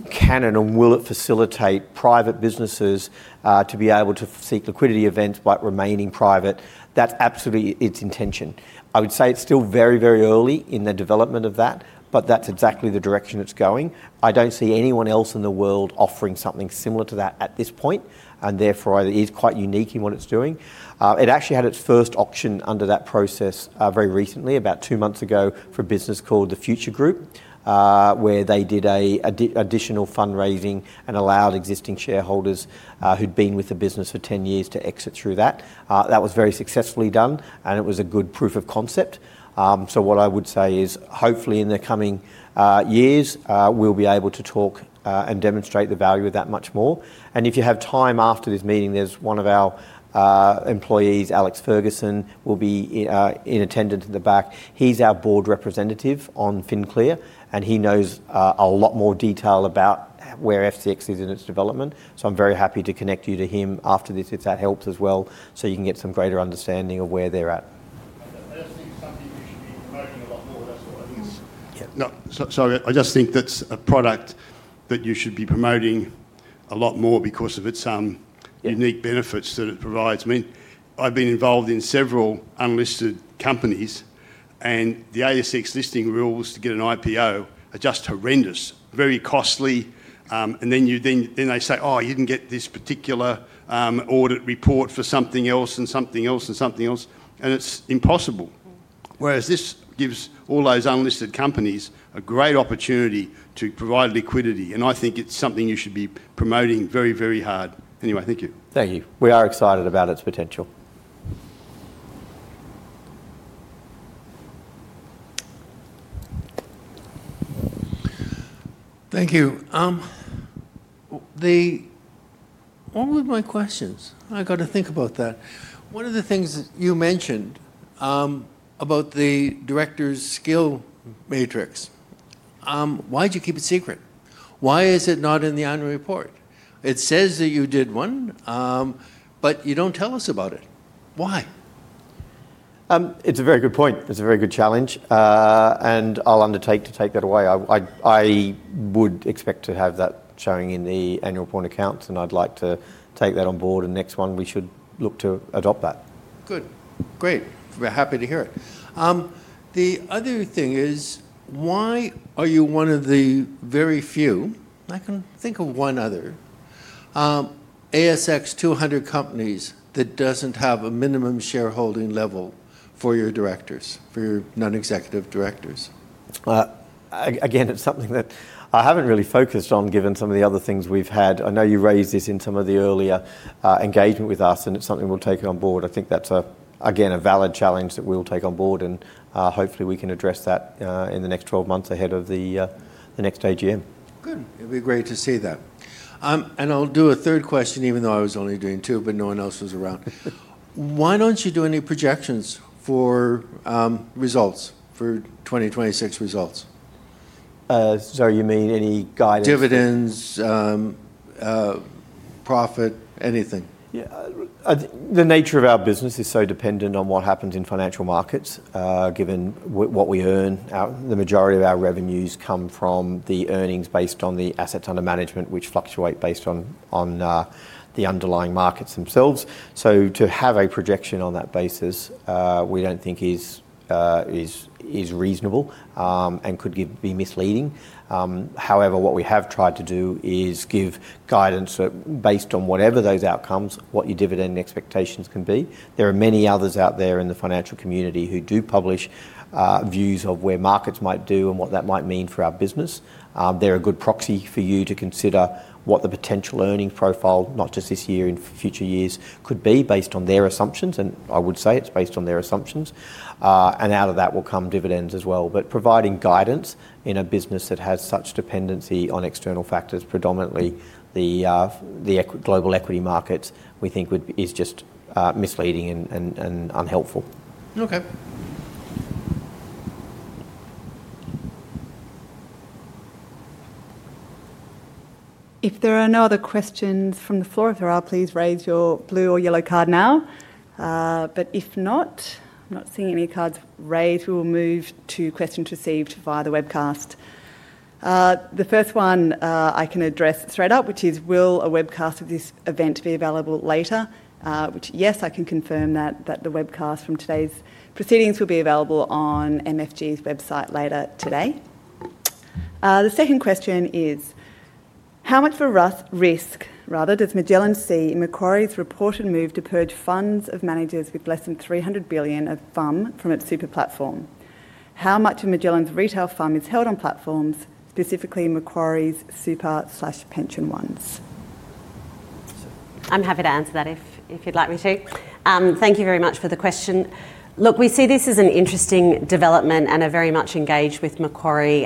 can and will it facilitate private businesses to be able to seek liquidity events by remaining private, that's absolutely its intention. I would say it's still very, very early in the development of that, but that's exactly the direction it's going. I don't see anyone else in the world offering something similar to that at this point, and therefore, it is quite unique in what it's doing. It actually had its first auction under that process very recently, about two months ago, for a business called The Future Group, where they did additional fundraising and allowed existing shareholders who'd been with the business for 10 years to exit through that. That was very successfully done, and it was a good proof of concept. What I would say is, hopefully, in the coming years, we'll be able to talk and demonstrate the value of that much more. If you have time after this meeting, there's one of our employees, Alex Ferguson, who will be in attendance at the back. He's our board representative on FinClear, and he knows a lot more detail about where FCX is in its development. I'm very happy to connect you to him after this, if that helps as well, so you can get some greater understanding of where they're at. I just think it's something we should be promoting a lot more. That's what I think. No, sorry. I just think that's a product that you should be promoting a lot more because of its unique benefits that it provides. I mean, I've been involved in several unlisted companies, and the ASX listing rules to get an IPO are just horrendous, very costly. They say, oh, you didn't get this particular audit report for something else and something else and something else, and it's impossible. Whereas this gives all those unlisted companies a great opportunity to provide liquidity, and I think it's something you should be promoting very, very hard. Anyway, thank you. Thank you. We are excited about its potential. Thank you. One of my questions, I got to think about that. One of the things that you mentioned about the director's skill matrix, why did you keep it secret? Why is it not in the annual report? It says that you did one, but you don't tell us about it. Why? It's a very good point. It's a very good challenge, and I'll undertake to take that away. I would expect to have that showing in the annual report accounts, and I'd like to take that on board. Next one, we should look to adopt that. Good. Great. We're happy to hear it. The other thing is, why are you one of the very few, I can think of one other, ASX 200 companies that doesn't have a minimum shareholding level for your directors, for your Non-Executive Directors? Again, it's something that I haven't really focused on given some of the other things we've had. I know you raised this in some of the earlier engagement with us, and it's something we'll take on board. I think that's, again, a valid challenge that we'll take on board, and hopefully, we can address that in the next 12 months ahead of the next AGM. Good. It'll be great to see that. I'll do a third question, even though I was only doing two, but no one else was around. Why don't you do any projections for results, for 2026 results? Do you mean any guidance? Dividends, profit, anything. Yeah. The nature of our business is so dependent on what happens in financial markets, given what we earn. The majority of our revenues come from the earnings based on the assets under management, which fluctuate based on the underlying markets themselves. To have a projection on that basis, we don't think is reasonable and could be misleading. However, what we have tried to do is give guidance based on whatever those outcomes, what your dividend expectations can be. There are many others out there in the financial community who do publish views of where markets might do and what that might mean for our business. They're a good proxy for you to consider what the potential earning profile, not just this year, in future years, could be based on their assumptions, and I would say it's based on their assumptions. Out of that will come dividends as well. Providing guidance in a business that has such dependency on external factors, predominantly the global equity markets, we think is just misleading and unhelpful. Okay. If there are no other questions from the floor, if there are, please raise your blue or yellow card now. If not, I'm not seeing any cards raised, we will move to questions received via the webcast. The first one I can address straight up, which is, will a webcast of this event be available later? Yes, I can confirm that the webcast from today's proceedings will be available on MFG's website later today. The second question is, how much of a risk, rather, does Magellan see in Macquarie's reported move to purge funds of managers with less than 300 billion of FUM from its super platform? How much of Magellan's retail FUM is held on platforms, specifically Macquarie's super/pension ones? I'm happy to answer that if you'd like me to. Thank you very much for the question. Look, we see this as an interesting development and are very much engaged with Macquarie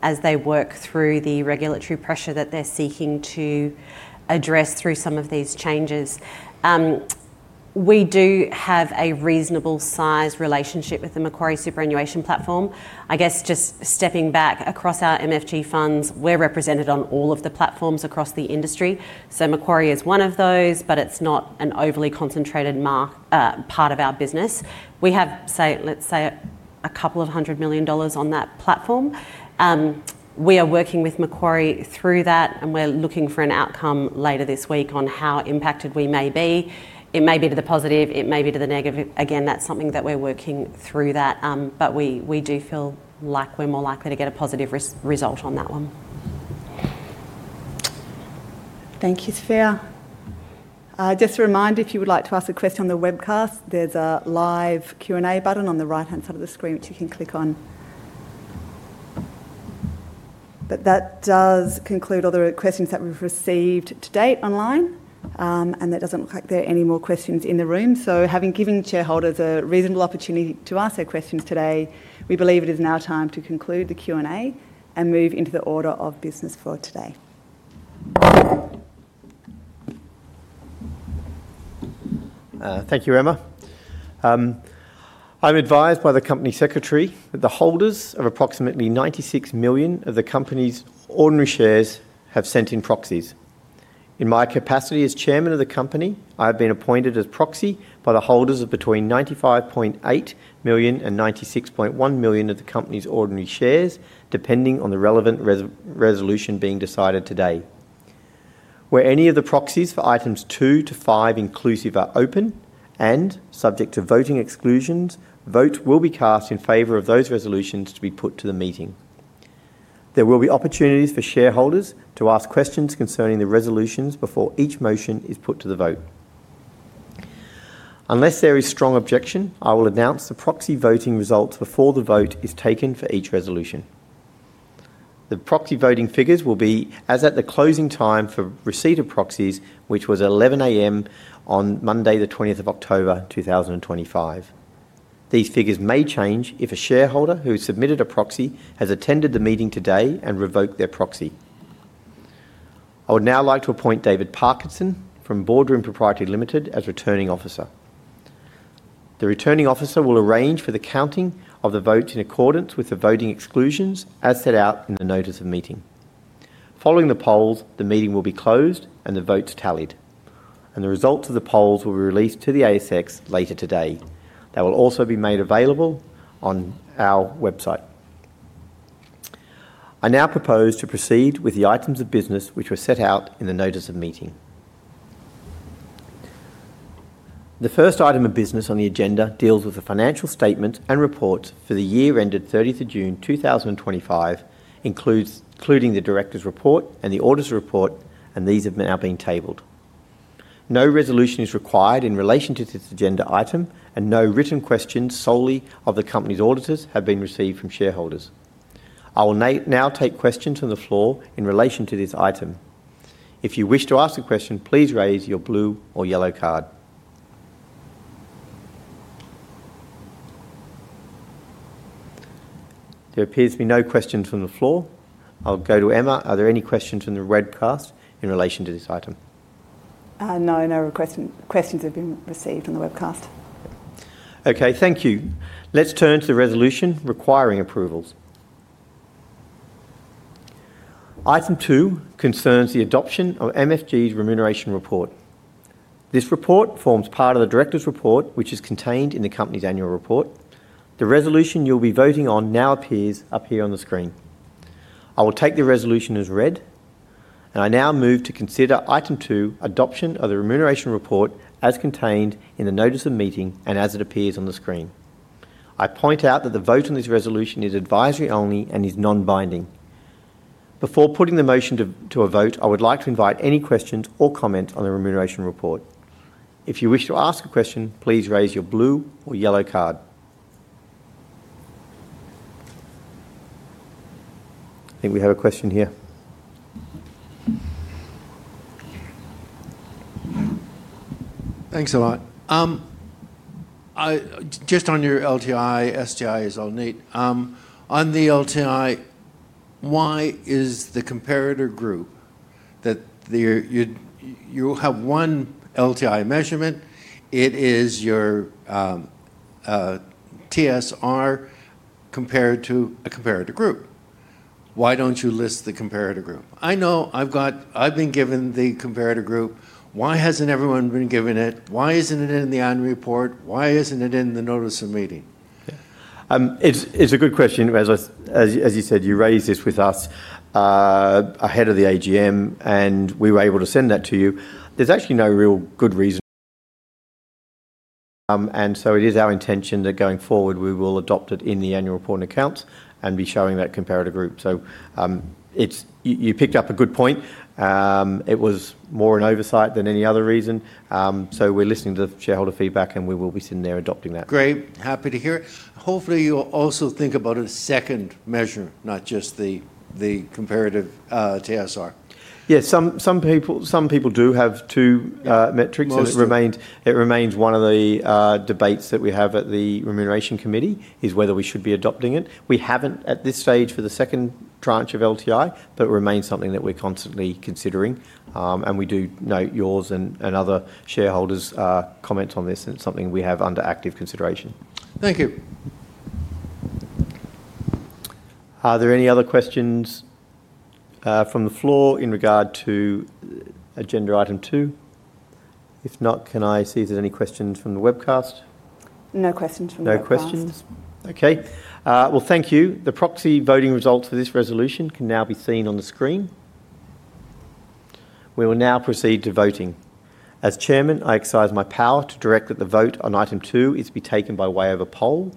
as they work through the regulatory pressure that they're seeking to address through some of these changes. We do have a reasonable size relationship with the Macquarie superannuation platform. Just stepping back, across our MFG funds, we're represented on all of the platforms across the industry. Macquarie is one of those, but it's not an overly concentrated part of our business. We have, let's say, a couple of hundred million dollars on that platform. We are working with Macquarie through that, and we're looking for an outcome later this week on how impacted we may be. It may be to the positive, it may be to the negative. That's something that we're working through, but we do feel like we're more likely to get a positive result on that one. Thank you, Sophia. Just a reminder, if you would like to ask a question on the webcast, there's a live Q&A button on the right-hand side of the screen, which you can click on. That does conclude all the questions that we've received to date online, and it doesn't look like there are any more questions in the room. Having given shareholders a reasonable opportunity to ask their questions today, we believe it is now time to conclude the Q&A and move into the order of business for today. Thank you, Emma. I'm advised by the Company Secretary that the holders of approximately 96 million of the company's ordinary shares have sent in proxies. In my capacity as Chairman of the company, I have been appointed as proxy by the holders of between 95.8 million and 96.1 million of the company's ordinary shares, depending on the relevant resolution being decided today. Where any of the proxies for items two to five, inclusive, are open and subject to voting exclusions, votes will be cast in favor of those resolutions to be put to the meeting. There will be opportunities for shareholders to ask questions concerning the resolutions before each motion is put to the vote. Unless there is strong objection, I will announce the proxy voting results before the vote is taken for each resolution. The proxy voting figures will be as at the closing time for receipt of proxies, which was 11:00 A.M. on Monday, the 20th of October 2025. These figures may change if a shareholder who has submitted a proxy has attended the meeting today and revoked their proxy. I would now like to appoint David Parkinson from Boardroom Proprietary Limited as Returning Officer. The Returning Officer will arrange for the counting of the votes in accordance with the voting exclusions as set out in the notice of meeting. Following the polls, the meeting will be closed and the votes tallied, and the results of the polls will be released to the ASX later today. They will also be made available on our website. I now propose to proceed with the items of business which were set out in the notice of meeting. The first item of business on the agenda deals with the financial statement and reports for the year ended 30th of June 2025, including the Director's Report and the Auditor's Report, and these have now been tabled. No resolution is required in relation to this agenda item, and no written questions solely of the company's auditors have been received from shareholders. I will now take questions from the floor in relation to this item. If you wish to ask a question, please raise your blue or yellow card. There appears to be no questions from the floor. I'll go to Emma. Are there any questions from the webcast in relation to this item? No, no questions have been received from the webcast. Okay, thank you. Let's turn to the resolution requiring approvals. Item two concerns the adoption of MFG's remuneration report. This report forms part of the Director's Report, which is contained in the company's annual report. The resolution you'll be voting on now appears up here on the screen. I will take the resolution as read, and I now move to consider item two, adoption of the remuneration report, as contained in the notice of meeting and as it appears on the screen. I point out that the vote on this resolution is advisory only and is non-binding. Before putting the motion to a vote, I would like to invite any questions or comments on the remuneration report. If you wish to ask a question, please raise your blue or yellow card. I think we have a question here. Thanks a lot. Just on your LTI, STI, as I'll need, on the LTI, why is the comparator group that you have one LTI measurement? It is your TSR compared to a comparator group. Why don't you list the comparator group? I know I've been given the comparator group. Why hasn't everyone been given it? Why isn't it in the annual report? Why isn't it in the notice of meeting? It's a good question. As you said, you raised this with us ahead of the AGM, and we were able to send that to you. There's actually no real good reason, and it is our intention that going forward, we will adopt it in the annual report and accounts and be showing that comparator group. You picked up a good point. It was more an oversight than any other reason. We're listening to shareholder feedback, and we will be sitting there adopting that. Great. Happy to hear it. Hopefully, you'll also think about a second measure, not just the comparative TSR. Yes, some people do have two metrics. It remains one of the debates that we have at the Remuneration Committee, whether we should be adopting it. We haven't at this stage for the second tranche of LTI, but it remains something that we're constantly considering, and we do note yours and other shareholders' comments on this, and it's something we have under active consideration. Thank you. Are there any other questions from the floor in regard to agenda item two? If not, can I see if there's any questions from the webcast? No questions from the webcast. No questions? Okay. Thank you. The proxy voting results for this resolution can now be seen on the screen. We will now proceed to voting. As Chairman, I exercise my power to direct that the vote on item two is to be taken by way of a poll.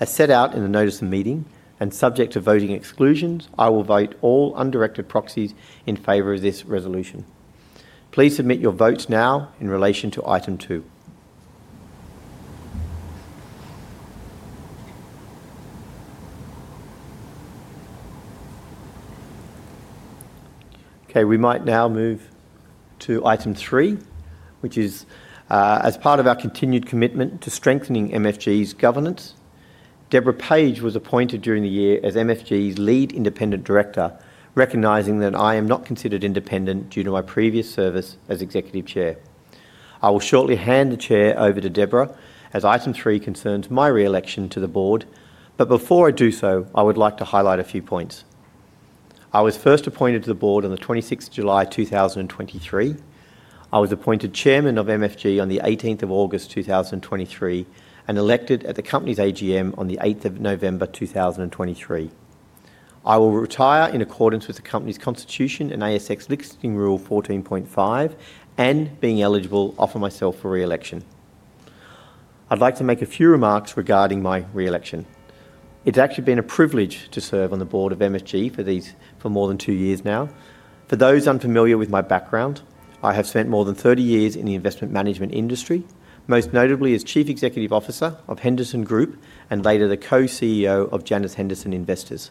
As set out in the notice of meeting and subject to voting exclusions, I will vote all undirected proxies in favor of this resolution. Please submit your votes now in relation to item two. Okay, we might now move to item three, which is as part of our continued commitment to strengthening MFG's governance, Deborah Page was appointed during the year as MFG's Lead Independent Director, recognizing that I am not considered independent due to my previous service as Executive Chair. I will shortly hand the chair over to Deborah as item three concerns my reelection to the board, but before I do so, I would like to highlight a few points. I was first appointed to the board on the 26th of July 2023. I was appointed Chairman of MFG on the 18th of August 2023 and elected at the company's AGM on the 8th of November 2023. I will retire in accordance with the company's constitution and ASX Listing Rule 14.5 and, being eligible, offer myself for reelection. I'd like to make a few remarks regarding my reelection. It's actually been a privilege to serve on the board of MFG for more than two years now. For those unfamiliar with my background, I have spent more than 30 years in the investment management industry, most notably as Chief Executive Officer of Henderson Group and later the Co-CEO of Janus Henderson Investors.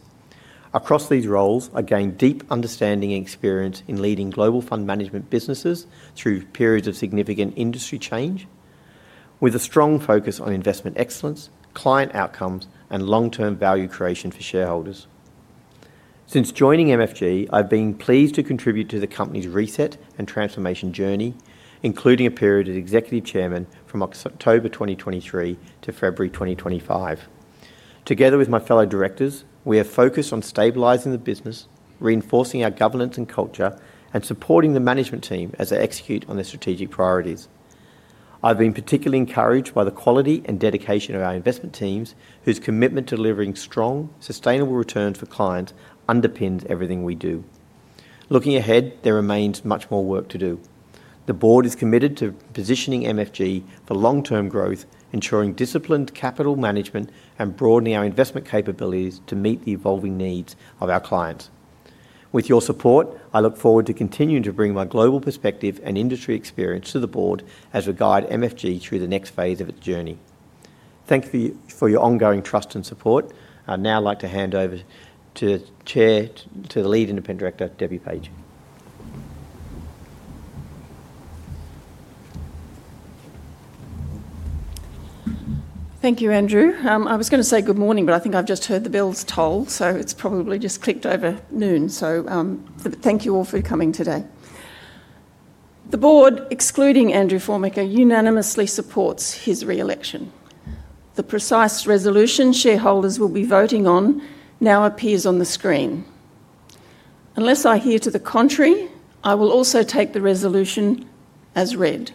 Across these roles, I gained deep understanding and experience in leading global fund management businesses through periods of significant industry change, with a strong focus on investment excellence, client outcomes, and long-term value creation for shareholders. Since joining MFG, I've been pleased to contribute to the company's reset and transformation journey, including a period as Executive Chairman from October 2023 to February 2025. Together with my fellow directors, we have focused on stabilizing the business, reinforcing our governance and culture, and supporting the management team as they execute on their strategic priorities. I've been particularly encouraged by the quality and dedication of our investment teams, whose commitment to delivering strong, sustainable returns for clients underpins everything we do. Looking ahead, there remains much more work to do. The board is committed to positioning MFG for long-term growth, ensuring disciplined capital management, and broadening our investment capabilities to meet the evolving needs of our clients. With your support, I look forward to continuing to bring my global perspective and industry experience to the board as we guide MFG through the next phase of its journey. Thank you for your ongoing trust and support. I'd now like to hand over to the chair, to the Lead Independent Director, Deborah Page. Thank you, Andrew. I was going to say good morning, but I think I've just heard the bells toll, so it's probably just clicked over noon. Thank you all for coming today. The Board, excluding Andrew Formica, unanimously supports his reelection. The precise resolution shareholders will be voting on now appears on the screen. Unless I hear to the contrary, I will also take the resolution as read.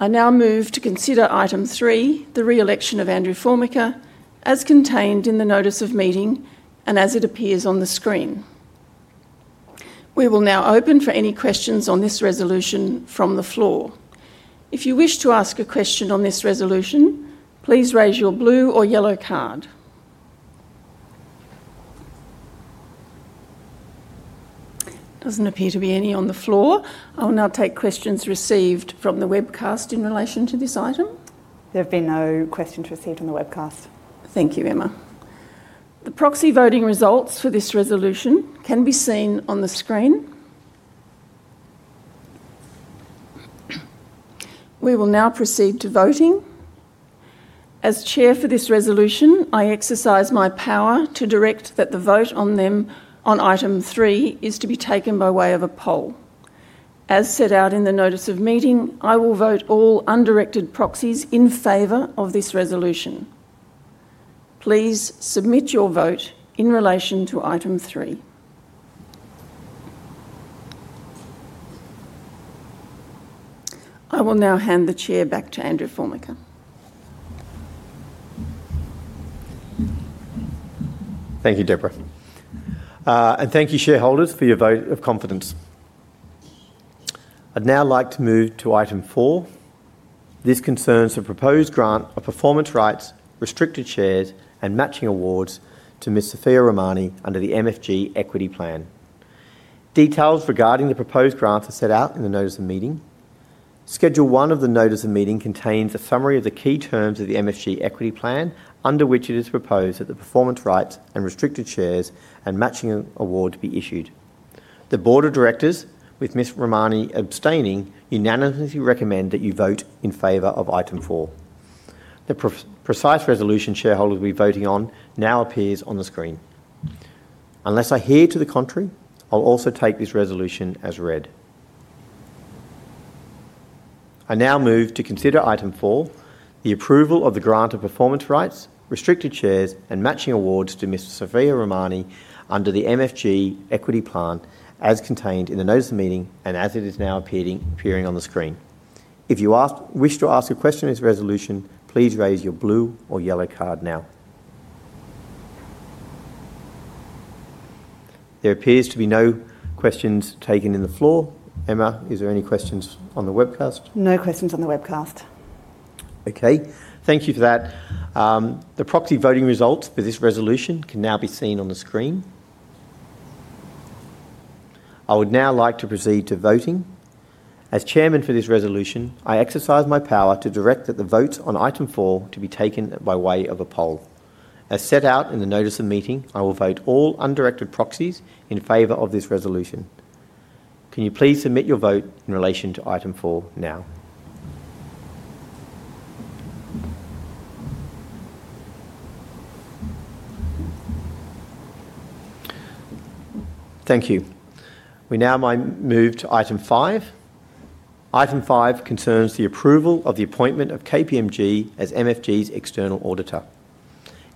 I now move to consider item three, the reelection of Andrew Formica, as contained in the notice of meeting and as it appears on the screen. We will now open for any questions on this resolution from the floor. If you wish to ask a question on this resolution, please raise your blue or yellow card. Doesn't appear to be any on the floor. I will now take questions received from the webcast in relation to this item. There have been no questions received from the webcast. Thank you, Emma. The proxy voting results for this resolution can be seen on the screen. We will now proceed to voting. As Chair for this resolution, I exercise my power to direct that the vote on item three is to be taken by way of a poll. As set out in the notice of meeting, I will vote all undirected proxies in favor of this resolution. Please submit your vote in relation to item three. I will now hand the Chair back to Andrew Formica. Thank you, Deborah. And thank you, shareholders, for your vote of confidence. I'd now like to move to item four. This concerns a proposed grant of performance rights, restricted shares, and matching awards to Ms. Sophia Rahmani under the MFG Equity Plan. Details regarding the proposed grant are set out in the notice of meeting. Schedule one of the notice of meeting contains a summary of the key terms of the MFG Equity Plan, under which it is proposed that the performance rights and restricted shares and matching awards be issued. The Board of Directors, with Ms. Rahmani abstaining, unanimously recommend that you vote in favor of item four. The precise resolution shareholders will be voting on now appears on the screen. Unless I hear to the contrary, I'll also take this resolution as read. I now move to consider item four, the approval of the grant of performance rights, restricted shares, and matching awards to Ms. Sophia Rahmani under the MFG Equity Plan, as contained in the notice of meeting and as it is now appearing on the screen. If you wish to ask a question on this resolution, please raise your blue or yellow card now. There appears to be no questions taken in the floor. Emma, is there any questions on the webcast? No questions on the webcast. Okay. Thank you for that. The proxy voting results for this resolution can now be seen on the screen. I would now like to proceed to voting. As Chairman for this resolution, I exercise my power to direct that the vote on item four be taken by way of a poll. As set out in the notice of meeting, I will vote all undirected proxies in favor of this resolution. Can you please submit your vote in relation to item four now? Thank you. We now might move to item five. Item five concerns the approval of the appointment of KPMG as MFG's external auditor.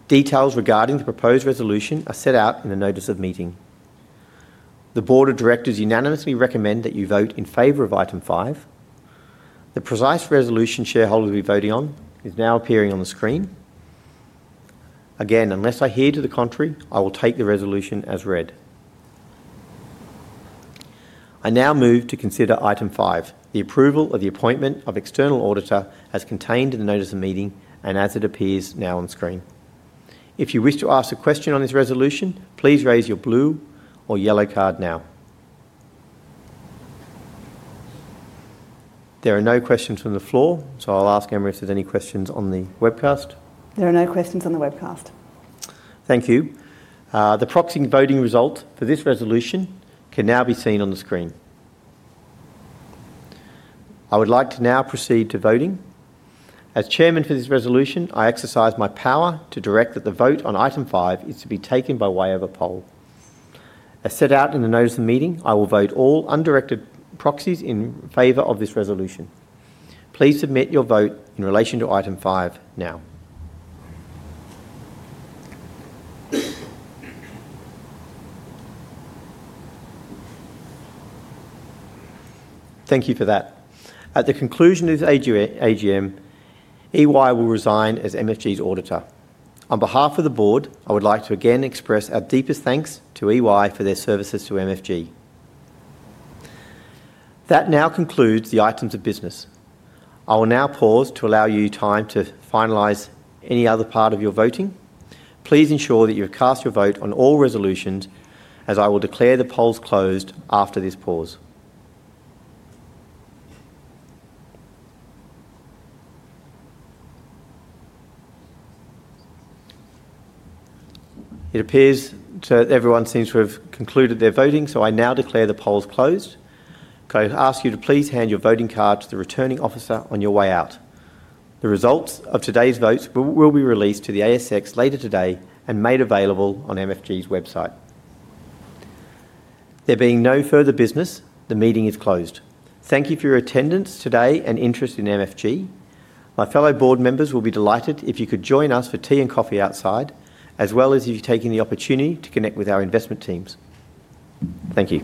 Details regarding the proposed resolution are set out in the notice of meeting. Board of Directors unanimously recommends that you vote in favor of item five. The precise resolution shareholders will be voting on is now appearing on the screen. Again, unless I hear to the contrary, I will take the resolution as read. I now move to consider item five, the approval of the appointment of external auditor as contained in the notice of meeting and as it appears now on screen. If you wish to ask a question on this resolution, please raise your blue or yellow card now. There are no questions from the floor, so I'll ask Emma if there are any questions on the webcast. There are no questions on the webcast. Thank you. The proxy voting result for this resolution can now be seen on the screen. I would like to now proceed to voting. As Chairman for this resolution, I exercise my power to direct that the vote on item five is to be taken by way of a poll. As set out in the notice of meeting, I will vote all undirected proxies in favor of this resolution. Please submit your vote in relation to item five now. Thank you for that. At the conclusion of this AGM, EY will resign as MFG's auditor. On behalf of the Board, I would like to again express our deepest thanks to EY for their services to MFG. That now concludes the items of business. I will now pause to allow you time to finalize any other part of your voting. Please ensure that you have cast your vote on all resolutions as I will declare the polls closed after this pause. It appears that everyone seems to have concluded their voting, so I now declare the polls closed. I ask you to please hand your voting cards to the returning officer on your way out. The results of today's votes will be released to the ASX later today and made available on MFG's website. There being no further business, the meeting is closed. Thank you for your attendance today and interest in MFG. My fellow Board members will be delighted if you could join us for tea and coffee outside, as well as if you've taken the opportunity to connect with our investment teams. Thank you.